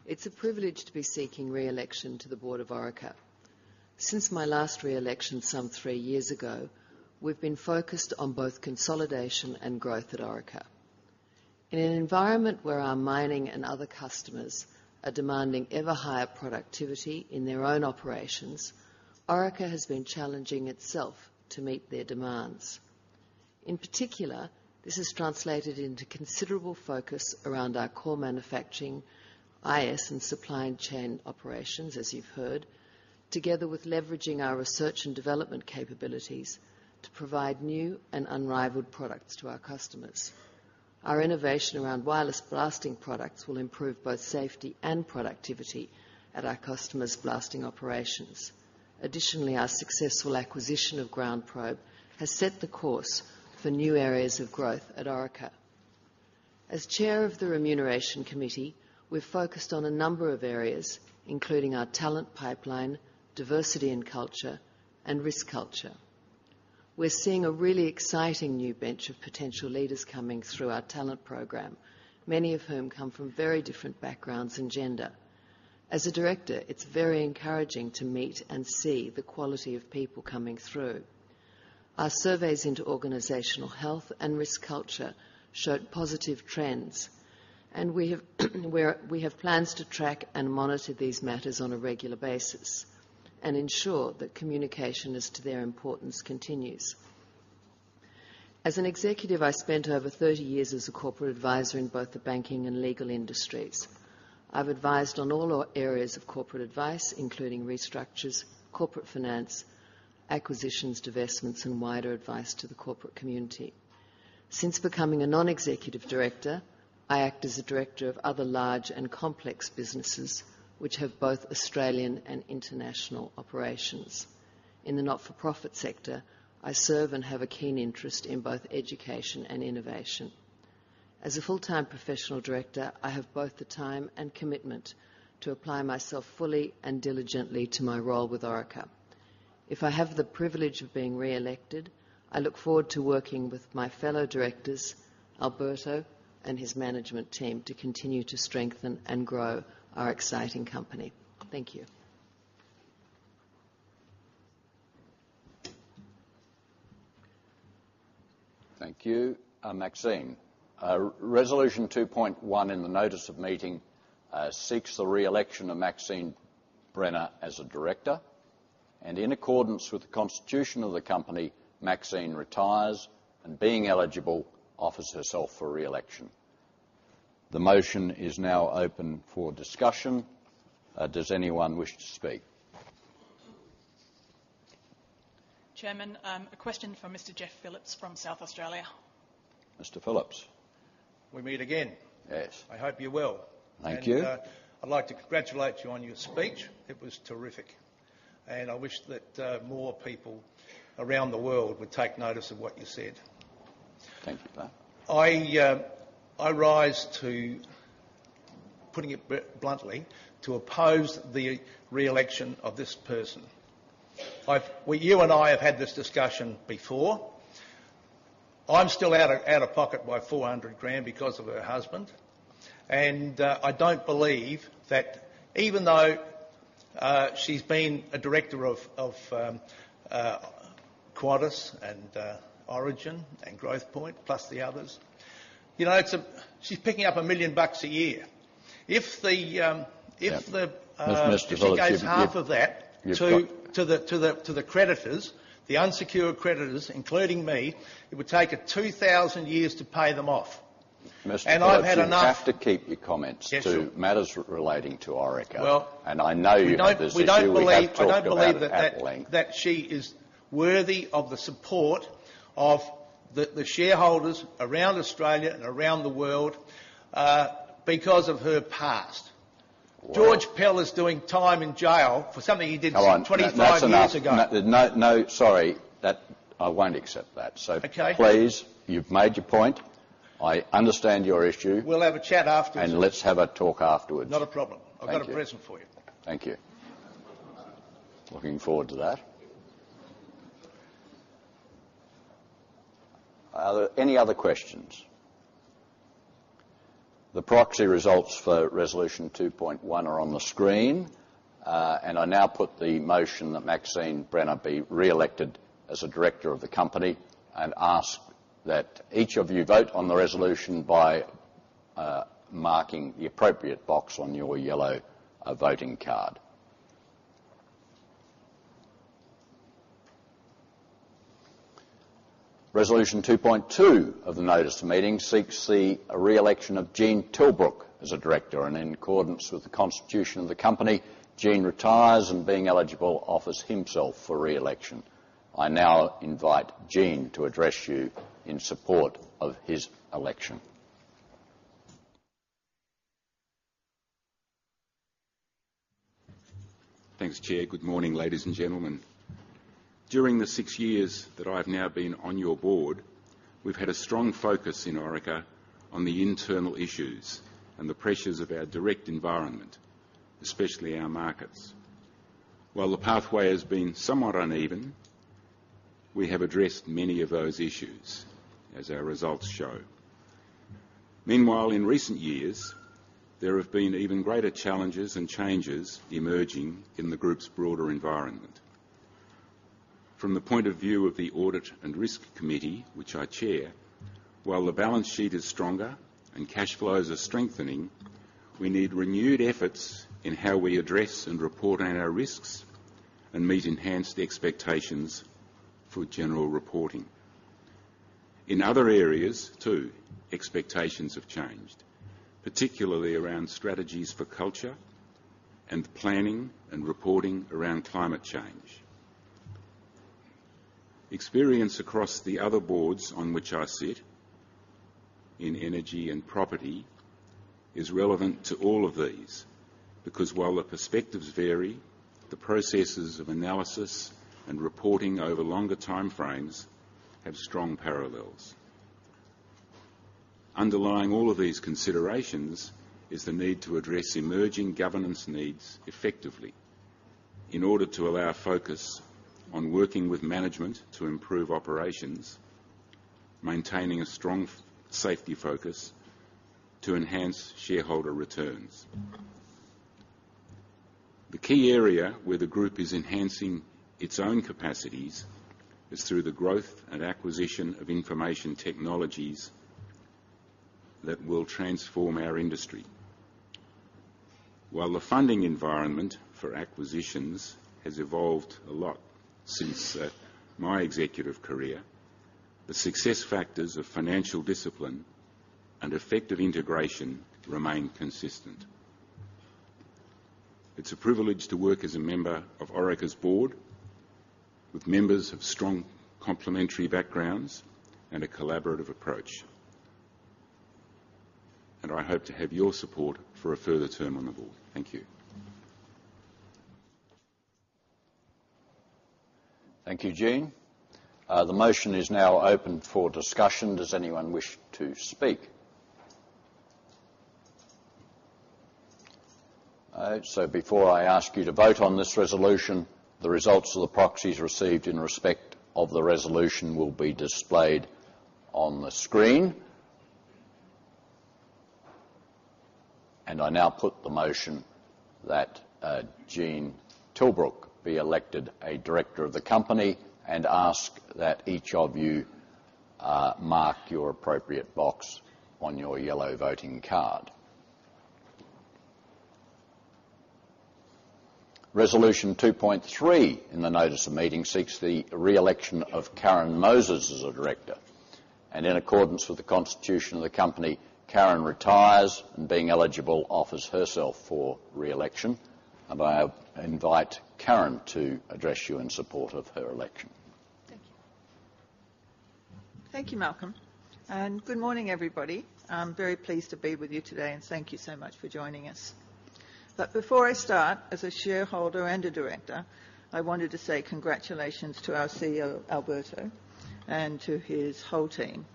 It's a privilege to be seeking re-election to the Board of Orica. Since my last re-election some three years ago, we've been focused on both consolidation and growth at Orica. In an environment where our mining and other customers are demanding ever higher productivity in their own operations, Orica has been challenging itself to meet their demands. In particular, this has translated into considerable focus around our core manufacturing, IS, and supply chain operations, as you've heard, together with leveraging our research and development capabilities to provide new and unrivaled products to our customers. Our innovation around wireless blasting products will improve both safety and productivity at our customers' blasting operations. Additionally, our successful acquisition of GroundProbe has set the course for new areas of growth at Orica. As Chair of the Remuneration Committee, we're focused on a number of areas, including our talent pipeline, diversity and culture, and risk culture. We're seeing a really exciting new bench of potential leaders coming through our talent program, many of whom come from very different backgrounds and gender. As a director, it's very encouraging to meet and see the quality of people coming through. Our surveys into organizational health and risk culture showed positive trends, and we have plans to track and monitor these matters on a regular basis and ensure that communication as to their importance continues. As an executive, I spent over 30 years as a corporate advisor in both the banking and legal industries. I've advised on all areas of corporate advice, including restructures, corporate finance, acquisitions, divestments, and wider advice to the corporate community. Since becoming a non-executive director, I act as a director of other large and complex businesses which have both Australian and international operations. In the not-for-profit sector, I serve and have a keen interest in both education and innovation. As a full-time professional director, I have both the time and commitment to apply myself fully and diligently to my role with Orica. If I have the privilege of being re-elected, I look forward to working with my fellow directors, Alberto, and his management team to continue to strengthen and grow our exciting company. Thank you.
Thank you, Maxine. Resolution 2.1 in the notice of meeting seeks the re-election of Maxine Brenner as a director, and in accordance with the constitution of the company, Maxine retires, and being eligible, offers herself for re-election. The motion is now open for discussion. Does anyone wish to speak?
Chairman, a question from Mr. Geoff Phillips from South Australia.
Mr. Phillips.
We meet again.
Yes.
I hope you're well.
Thank you.
I'd like to congratulate you on your speech. It was terrific. I wish that more people around the world would take notice of what you said.
Thank you for that.
I rise, putting it bluntly, to oppose the re-election of this person. You and I have had this discussion before. I'm still out of pocket by 400 thousand because of her husband. I don't believe that even though she's been a director of Qantas and Origin and Growthpoint, plus the others. She's picking up 1 million bucks a year.
Yes. Mr. Phillips.
If she gave half of that to the creditors, the unsecured creditors, including me, it would take her 2,000 years to pay them off. I've had enough.
Mr. Phillips, you have to keep your comments.
Yes, sure
to matters relating to Orica.
Well-
I know you have this issue.
We don't believe.
We have talked about it at length.
that she is worthy of the support of the shareholders around Australia and around the world because of her past George Pell is doing time in jail for something he did.
Hold on
25 years ago.
That's enough. No. Sorry. I won't accept that.
Okay.
Please, you've made your point. I understand your issue.
We'll have a chat afterwards.
Let's have a talk afterwards.
Not a problem.
Thank you.
I've got a present for you.
Thank you. Looking forward to that. Are there any other questions? The proxy results for resolution 2.1 are on the screen. I now put the motion that Maxine Brenner be reelected as a director of the company and ask that each of you vote on the resolution by marking the appropriate box on your yellow voting card. Resolution 2.2 of the notice of meeting seeks the reelection of Gene Tilbrook as a director, and in accordance with the constitution of the company, Gene retires and being eligible offers himself for reelection. I now invite Gene to address you in support of his election.
Thanks, Chair. Good morning, ladies and gentlemen. During the six years that I've now been on your board, we've had a strong focus in Orica on the internal issues and the pressures of our direct environment, especially our markets. While the pathway has been somewhat uneven, we have addressed many of those issues, as our results show. Meanwhile, in recent years, there have been even greater challenges and changes emerging in the group's broader environment. From the point of view of the Audit and Risk Committee, which I chair, while the balance sheet is stronger and cash flows are strengthening, we need renewed efforts in how we address and report on our risks and meet enhanced expectations for general reporting. In other areas, too, expectations have changed, particularly around strategies for culture and planning and reporting around climate change. Experience across the other boards on which I sit, in energy and property, is relevant to all of these because while the perspectives vary, the processes of analysis and reporting over longer time frames have strong parallels. Underlying all of these considerations is the need to address emerging governance needs effectively in order to allow focus on working with management to improve operations, maintaining a strong safety focus to enhance shareholder returns. The key area where the group is enhancing its own capacities is through the growth and acquisition of information technologies that will transform our industry. While the funding environment for acquisitions has evolved a lot since my executive career, the success factors of financial discipline and effective integration remain consistent. It's a privilege to work as a member of Orica's Board with members of strong complementary backgrounds and a collaborative approach, I hope to have your support for a further term on the Board. Thank you.
Thank you, Gene Tilbrook. The motion is now open for discussion. Does anyone wish to speak? All right. Before I ask you to vote on this resolution, the results of the proxies received in respect of the resolution will be displayed on the screen. I now put the motion that Gene Tilbrook be elected a Director of the company and ask that each of you mark your appropriate box on your yellow voting card. Resolution 2.3 in the notice of meeting seeks the reelection of Karen Moses as a Director. In accordance with the constitution of the company, Karen Moses retires and being eligible offers herself for reelection. I invite Karen Moses to address you in support of her election.
Thank you. Thank you, Malcolm Broomhead. Good morning, everybody. I'm very pleased to be with you today, and thank you so much for joining us. Before I start, as a shareholder and a Director, I wanted to say congratulations to our CEO, Alberto Calderon, and to his whole team,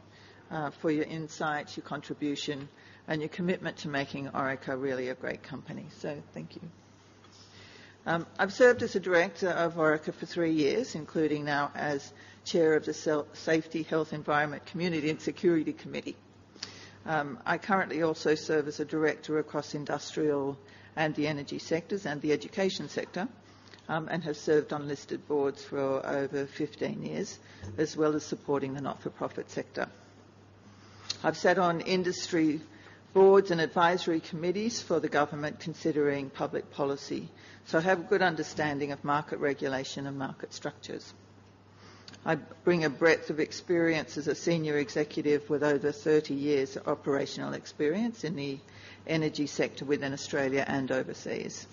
for your insights, your contribution, and your commitment to making Orica really a great company. Thank you. I've served as a Director of Orica for 3 years, including now as Chair of the Safety, Health, Environment, Community and Security Committee. I currently also serve as a Director across industrial and the energy sectors and the education sector, and have served on listed boards for over 15 years, as well as supporting the not-for-profit sector. I've sat on industry boards and advisory committees for the government considering public policy, have a good understanding of market regulation and market structures. I bring a breadth of experience as a senior executive with over 30 years of operational experience in the energy sector within Australia and overseas.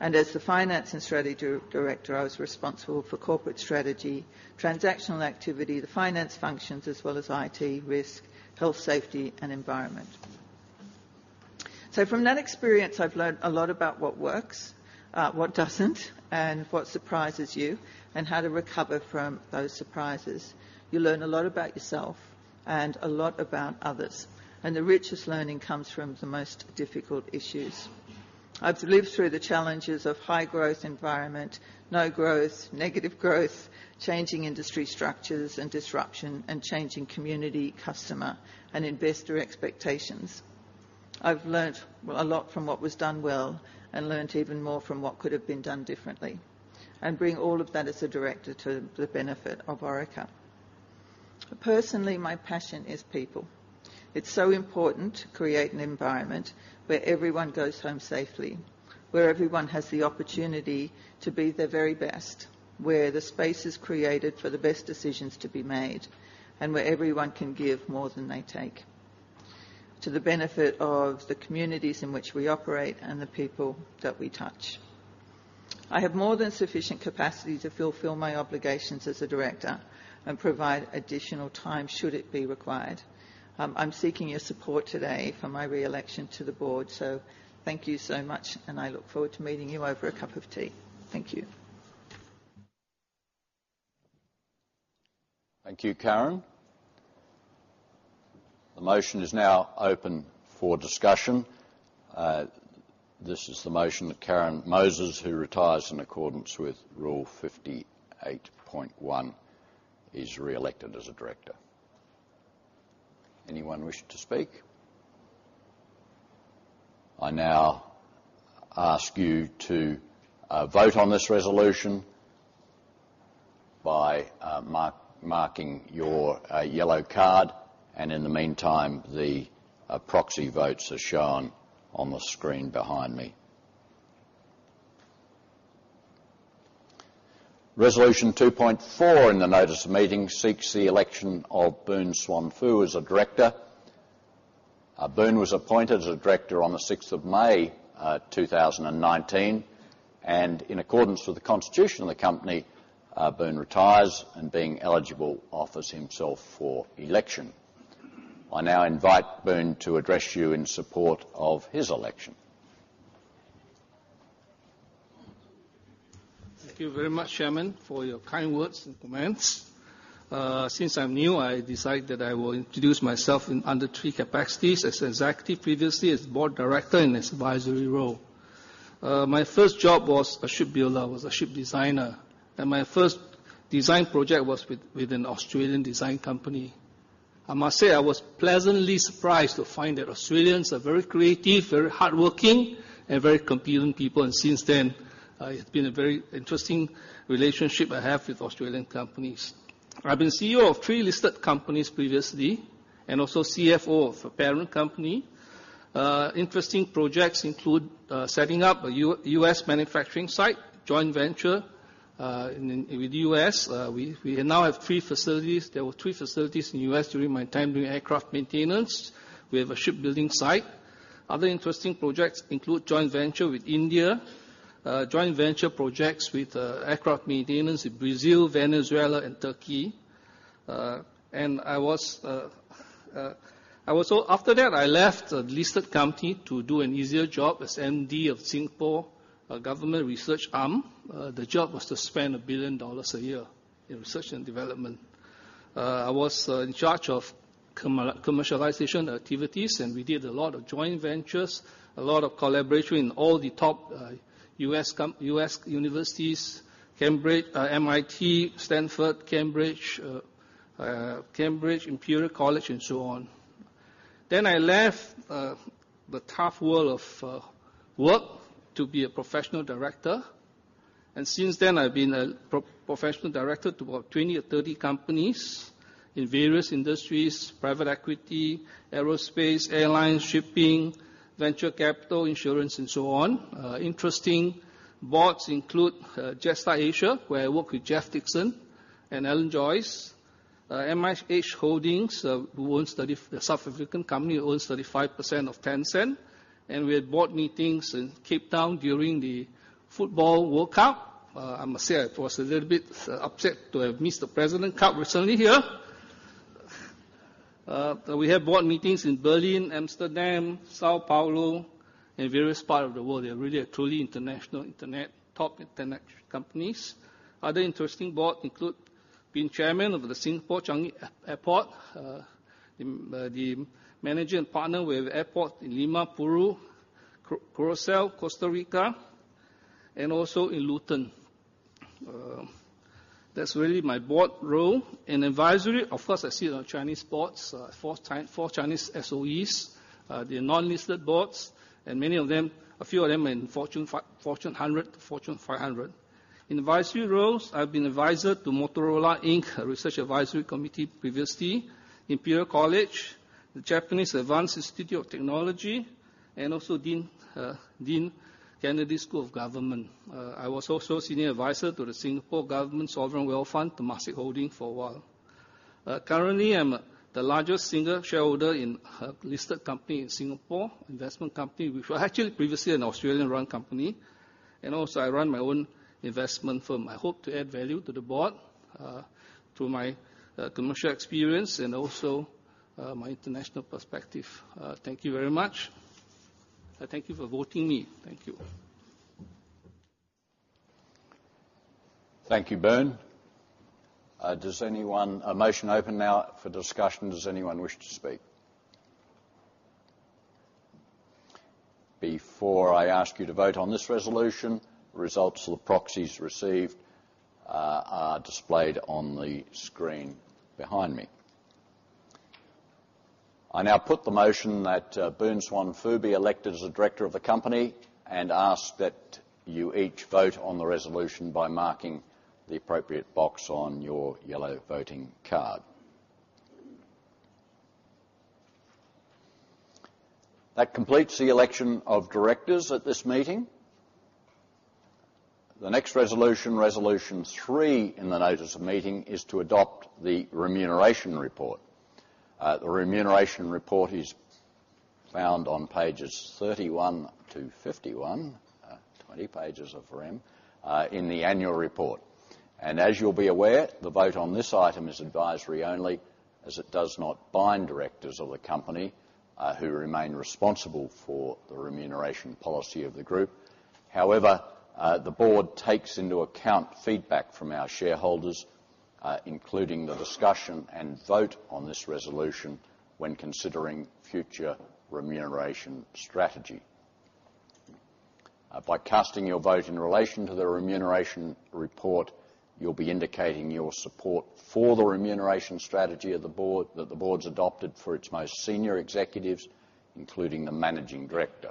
As the Finance and Strategy Director, I was responsible for corporate strategy, transactional activity, the finance functions, as well as IT, risk, health, safety, and environment. From that experience, I've learned a lot about what works, what doesn't, and what surprises you, and how to recover from those surprises. You learn a lot about yourself and a lot about others, and the richest learning comes from the most difficult issues. I've lived through the challenges of high growth environment, no growth, negative growth, changing industry structures and disruption, and changing community, customer, and investor expectations.
I've learned a lot from what was done well and learned even more from what could have been done differently. I bring all of that as a director to the benefit of Orica. Personally, my passion is people. It's so important to create an environment where everyone goes home safely, where everyone has the opportunity to be their very best, where the space is created for the best decisions to be made, and where everyone can give more than they take, to the benefit of the communities in which we operate and the people that we touch. I have more than sufficient capacity to fulfill my obligations as a director and provide additional time should it be required. I'm seeking your support today for my re-election to the board. Thank you so much, and I look forward to meeting you over a cup of tea. Thank you.
Thank you, Karen. The motion is now open for discussion. This is the motion that Karen Moses, who retires in accordance with Rule 58.1, is re-elected as a director. Anyone wish to speak? I now ask you to vote on this resolution by marking your yellow card. In the meantime, the proxy votes are shown on the screen behind me. Resolution 2.4 in the notice of meeting seeks the election of Boon Swan Foo as a director. Boon was appointed as a director on the 6th of May 2019. In accordance with the constitution of the company, Boon retires, being eligible, offers himself for election. I now invite Boon to address you in support of his election.
Thank you very much, Chairman, for your kind words and comments. Since I'm new, I decide that I will introduce myself under three capacities: as executive previously, as board director, and as advisory role. My first job was a shipbuilder. I was a ship designer, and my first design project was with an Australian design company. I must say, I was pleasantly surprised to find that Australians are very creative, very hardworking, and very compelling people. Since then, it's been a very interesting relationship I have with Australian companies. I've been CEO of three listed companies previously, and also CFO of a parent company. Interesting projects include setting up a U.S. manufacturing site, joint venture with U.S. We now have three facilities. There were three facilities in U.S. during my time doing aircraft maintenance. We have a shipbuilding site. Other interesting projects include joint venture with India, joint venture projects with aircraft maintenance in Brazil, Venezuela, and Turkey. After that, I left a listed company to do an easier job as MD of Singapore, a government research arm. The job was to spend 1 billion dollars a year in research and development. I was in charge of commercialization activities, and we did a lot of joint ventures, a lot of collaboration with all the top U.S. universities, MIT, Stanford, Cambridge, Imperial College, and so on. I left the tough world of work to be a professional director. Since then I've been a professional director to about 20 or 30 companies in various industries, private equity, aerospace, airlines, shipping, venture capital, insurance, and so on. Interesting boards include Jetstar Asia, where I work with Geoff Dixon and Alan Joyce. MIH Holdings, the South African company owns 35% of Tencent, we had board meetings in Cape Town during the football World Cup. I must say I was a little bit upset to have missed the Presidents Cup recently here. We have board meetings in Berlin, Amsterdam, São Paulo, and various parts of the world. They are really a truly international top internet companies. Other interesting board include being chairman of the Singapore Changi Airport, the managing partner with airport in Lima, Peru, Corusel, Costa Rica, and also in Luton. That's really my board role. In advisory, of course, I sit on Chinese boards, four Chinese SOEs. They're non-listed boards, a few of them in Fortune 100 to Fortune 500. In advisory roles, I've been advisor to Motorola, Inc., a research advisory committee previously, Imperial College, the Japan Advanced Institute of Science and Technology, and also Dean, Kennedy School of Government. I was also senior advisor to the Singapore Government Sovereign Wealth Fund, Temasek Holdings, for a while. Currently, I'm the largest single shareholder in a listed company in Singapore, investment company, which was actually previously an Australian-run company. Also, I run my own investment firm. I hope to add value to the board through my commercial experience and also my international perspective. Thank you very much. Thank you for voting me. Thank you.
Thank you, Boon. A motion open now for discussion. Does anyone wish to speak? Before I ask you to vote on this resolution, results of the proxies received are displayed on the screen behind me. I now put the motion that Boon Swan Foo be elected as a director of the company and ask that you each vote on the resolution by marking the appropriate box on your yellow voting card. That completes the election of directors at this meeting. The next resolution three in the notice of meeting, is to adopt the remuneration report. The remuneration report is found on pages 31-51, 20 pages of rem, in the annual report. As you'll be aware, the vote on this item is advisory only, as it does not bind directors of the company who remain responsible for the remuneration policy of the group. However, the board takes into account feedback from our shareholders, including the discussion and vote on this resolution when considering future remuneration strategy. By casting your vote in relation to the remuneration report, you'll be indicating your support for the remuneration strategy that the board's adopted for its most senior executives, including the managing director.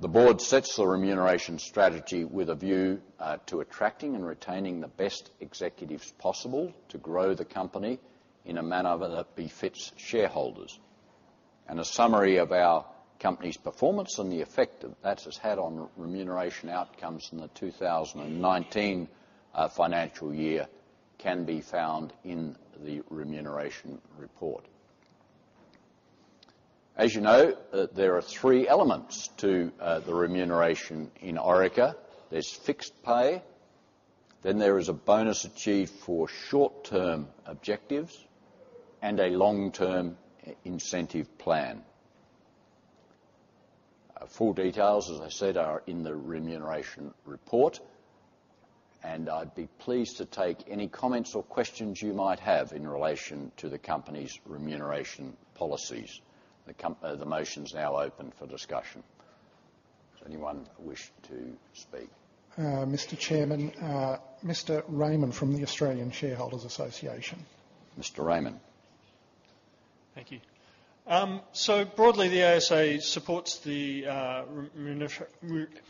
The board sets the remuneration strategy with a view to attracting and retaining the best executives possible to grow the company in a manner that befits shareholders. A summary of our company's performance and the effect that has had on remuneration outcomes in the 2019 financial year can be found in the remuneration report. As you know, there are three elements to the remuneration in Orica. There's fixed pay, then there is a bonus achieved for short-term objectives, and a long-term incentive plan. Full details, as I said, are in the remuneration report, and I'd be pleased to take any comments or questions you might have in relation to the company's remuneration policies. The motion is now open for discussion. Does anyone wish to speak?
Mr. Chairman, Mr. Raymond from the Australian Shareholders' Association.
Mr. Raymond.
Thank you. Broadly, the ASA supports the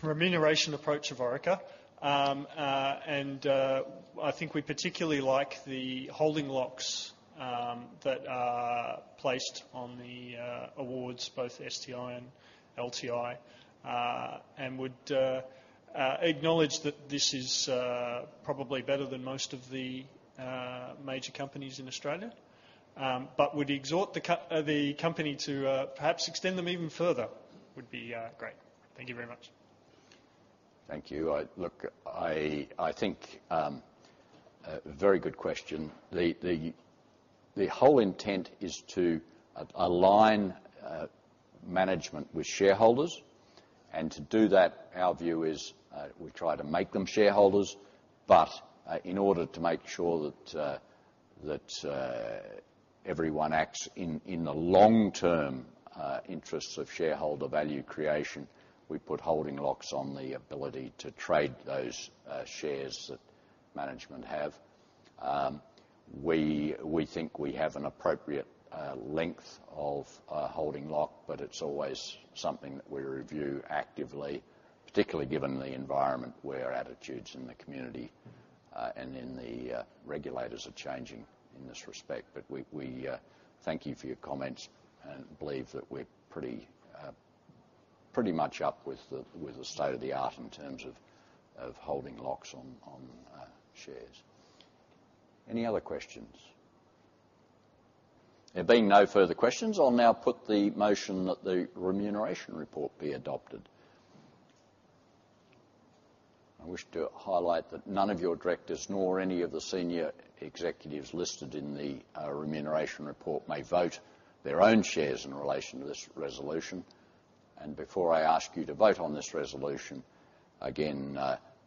remuneration approach of Orica. I think we particularly like the holding locks that are placed on the awards, both STI and LTI, and would acknowledge that this is probably better than most of the major companies in Australia. Would exhort the company to perhaps extend them even further, would be great. Thank you very much.
Thank you. Look, I think very good question. The whole intent is to align management with shareholders. To do that, our view is we try to make them shareholders. In order to make sure that everyone acts in the long-term interests of shareholder value creation, we put holding locks on the ability to trade those shares that management have. We think we have an appropriate length of holding lock, but it's always something that we review actively, particularly given the environment where attitudes in the community and in the regulators are changing in this respect. We thank you for your comments and believe that we're pretty much up with the state of the art in terms of holding locks on shares. Any other questions? There being no further questions, I'll now put the motion that the remuneration report be adopted. I wish to highlight that none of your directors, nor any of the senior executives listed in the remuneration report, may vote their own shares in relation to this resolution. Before I ask you to vote on this resolution, again,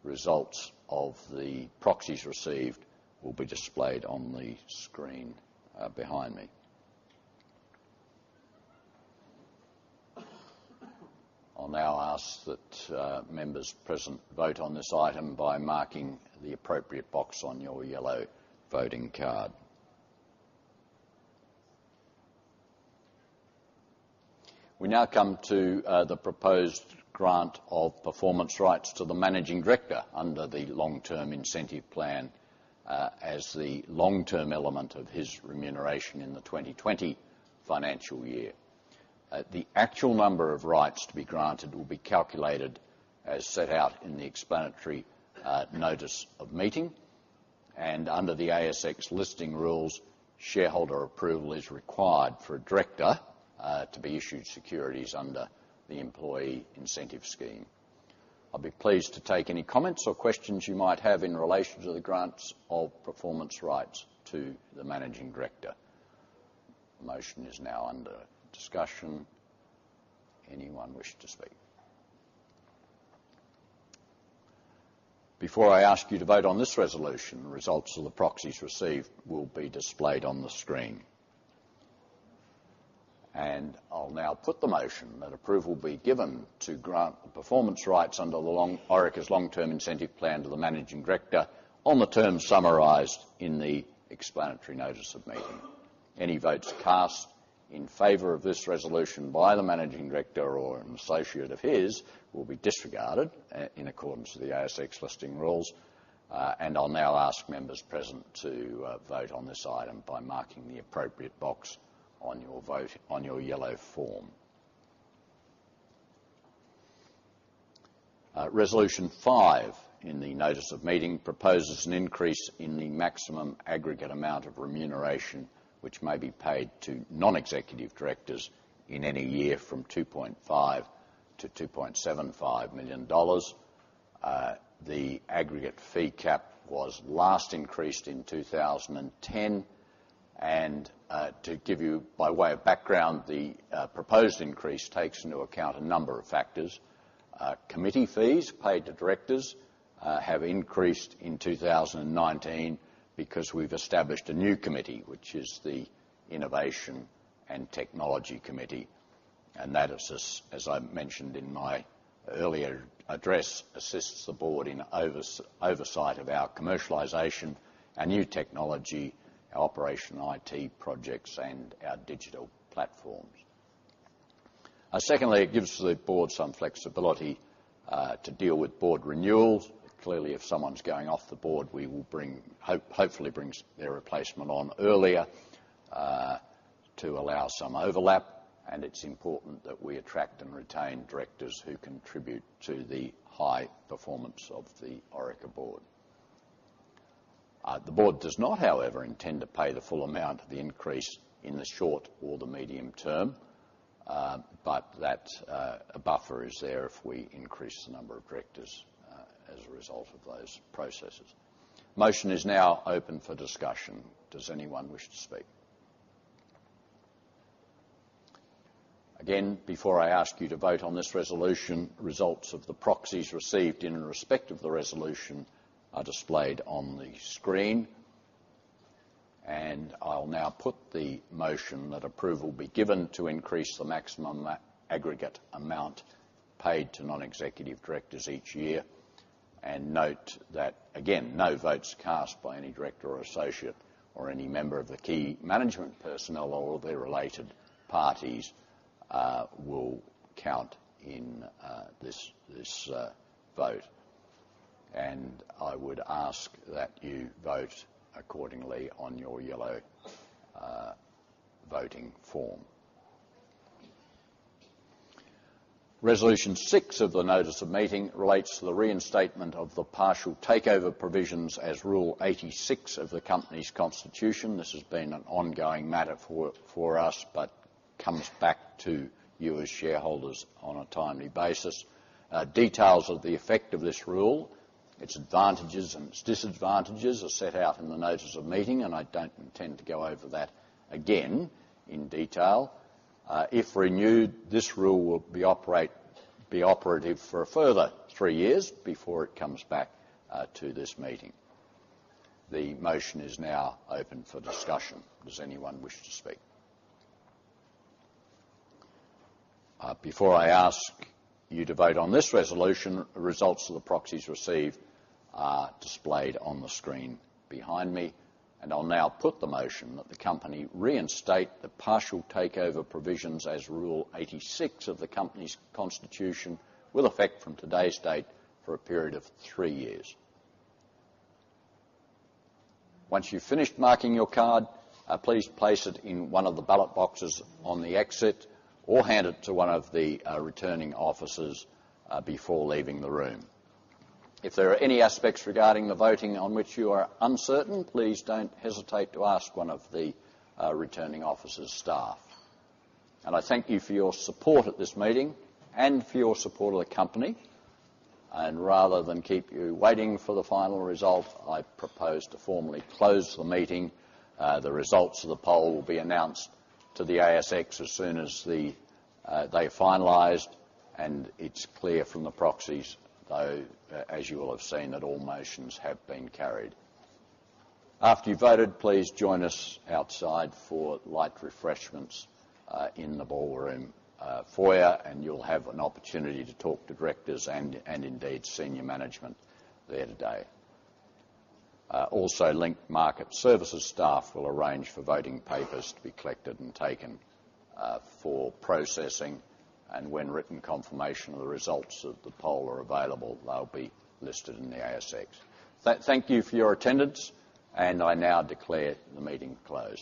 results of the proxies received will be displayed on the screen behind me. I'll now ask that members present vote on this item by marking the appropriate box on your yellow voting card. We now come to the proposed grant of performance rights to the managing director under the long-term incentive plan as the long-term element of his remuneration in the 2020 financial year. The actual number of rights to be granted will be calculated as set out in the explanatory notice of meeting. Under the ASX Listing Rules, shareholder approval is required for a director to be issued securities under the employee incentive scheme. I'll be pleased to take any comments or questions you might have in relation to the grants of performance rights to the managing director. The motion is now under discussion. Anyone wish to speak? Before I ask you to vote on this resolution, the results of the proxies received will be displayed on the screen. I'll now put the motion that approval be given to grant the performance rights under Orica's long-term incentive plan to the managing director on the terms summarized in the explanatory notice of meeting. Any votes cast in favor of this resolution by the managing director or an associate of his will be disregarded in accordance with the ASX Listing Rules. I'll now ask members present to vote on this item by marking the appropriate box on your yellow form. Resolution five in the notice of meeting proposes an increase in the maximum aggregate amount of remuneration which may be paid to non-executive directors in any year from 2.5 million-2.75 million dollars. The aggregate fee cap was last increased in 2010. To give you by way of background, the proposed increase takes into account a number of factors. Committee fees paid to directors have increased in 2019 because we've established a new committee, which is the Innovation and Technology Committee, and that, as I mentioned in my earlier address, assists the board in oversight of our commercialization, our new technology, our operation IT projects, and our digital platforms. Secondly, it gives the board some flexibility to deal with board renewals. Clearly, if someone's going off the Board, we will hopefully bring their replacement on earlier to allow some overlap, and it's important that we attract and retain directors who contribute to the high performance of the Orica Board. The Board does not, however, intend to pay the full amount of the increase in the short or the medium term, but that a buffer is there if we increase the number of directors as a result of those processes. Motion is now open for discussion. Does anyone wish to speak? Again, before I ask you to vote on this resolution, results of the proxies received in respect of the resolution are displayed on the screen. I'll now put the motion that approval be given to increase the maximum aggregate amount paid to non-executive directors each year. Note that, again, no votes cast by any director or associate or any member of the key management personnel or their related parties will count in this vote. I would ask that you vote accordingly on your yellow voting form. Resolution 6 of the notice of meeting relates to the reinstatement of the partial takeover provisions as Rule 86 of the company's constitution. This has been an ongoing matter for us but comes back to you as shareholders on a timely basis. Details of the effect of this rule, its advantages, and its disadvantages are set out in the notice of meeting. I don't intend to go over that again in detail. If renewed, this rule will be operative for a further three years before it comes back to this meeting. The motion is now open for discussion. Does anyone wish to speak? Before I ask you to vote on this resolution, the results of the proxies received are displayed on the screen behind me. I'll now put the motion that the company reinstate the partial takeover provisions as Rule 86 of the company's constitution with effect from today's date for a period of three years. Once you've finished marking your card, please place it in one of the ballot boxes on the exit or hand it to one of the returning officers before leaving the room. If there are any aspects regarding the voting on which you are uncertain, please don't hesitate to ask one of the returning officer's staff. I thank you for your support at this meeting and for your support of the company. Rather than keep you waiting for the final result, I propose to formally close the meeting. The results of the poll will be announced to the ASX as soon as they are finalized. It's clear from the proxies, though, as you will have seen, that all motions have been carried. After you voted, please join us outside for light refreshments in the ballroom foyer. You'll have an opportunity to talk to directors and indeed, senior management there today. Also, Link Market Services staff will arrange for voting papers to be collected and taken for processing. When written confirmation of the results of the poll are available, they'll be listed in the ASX. Thank you for your attendance. I now declare the meeting closed.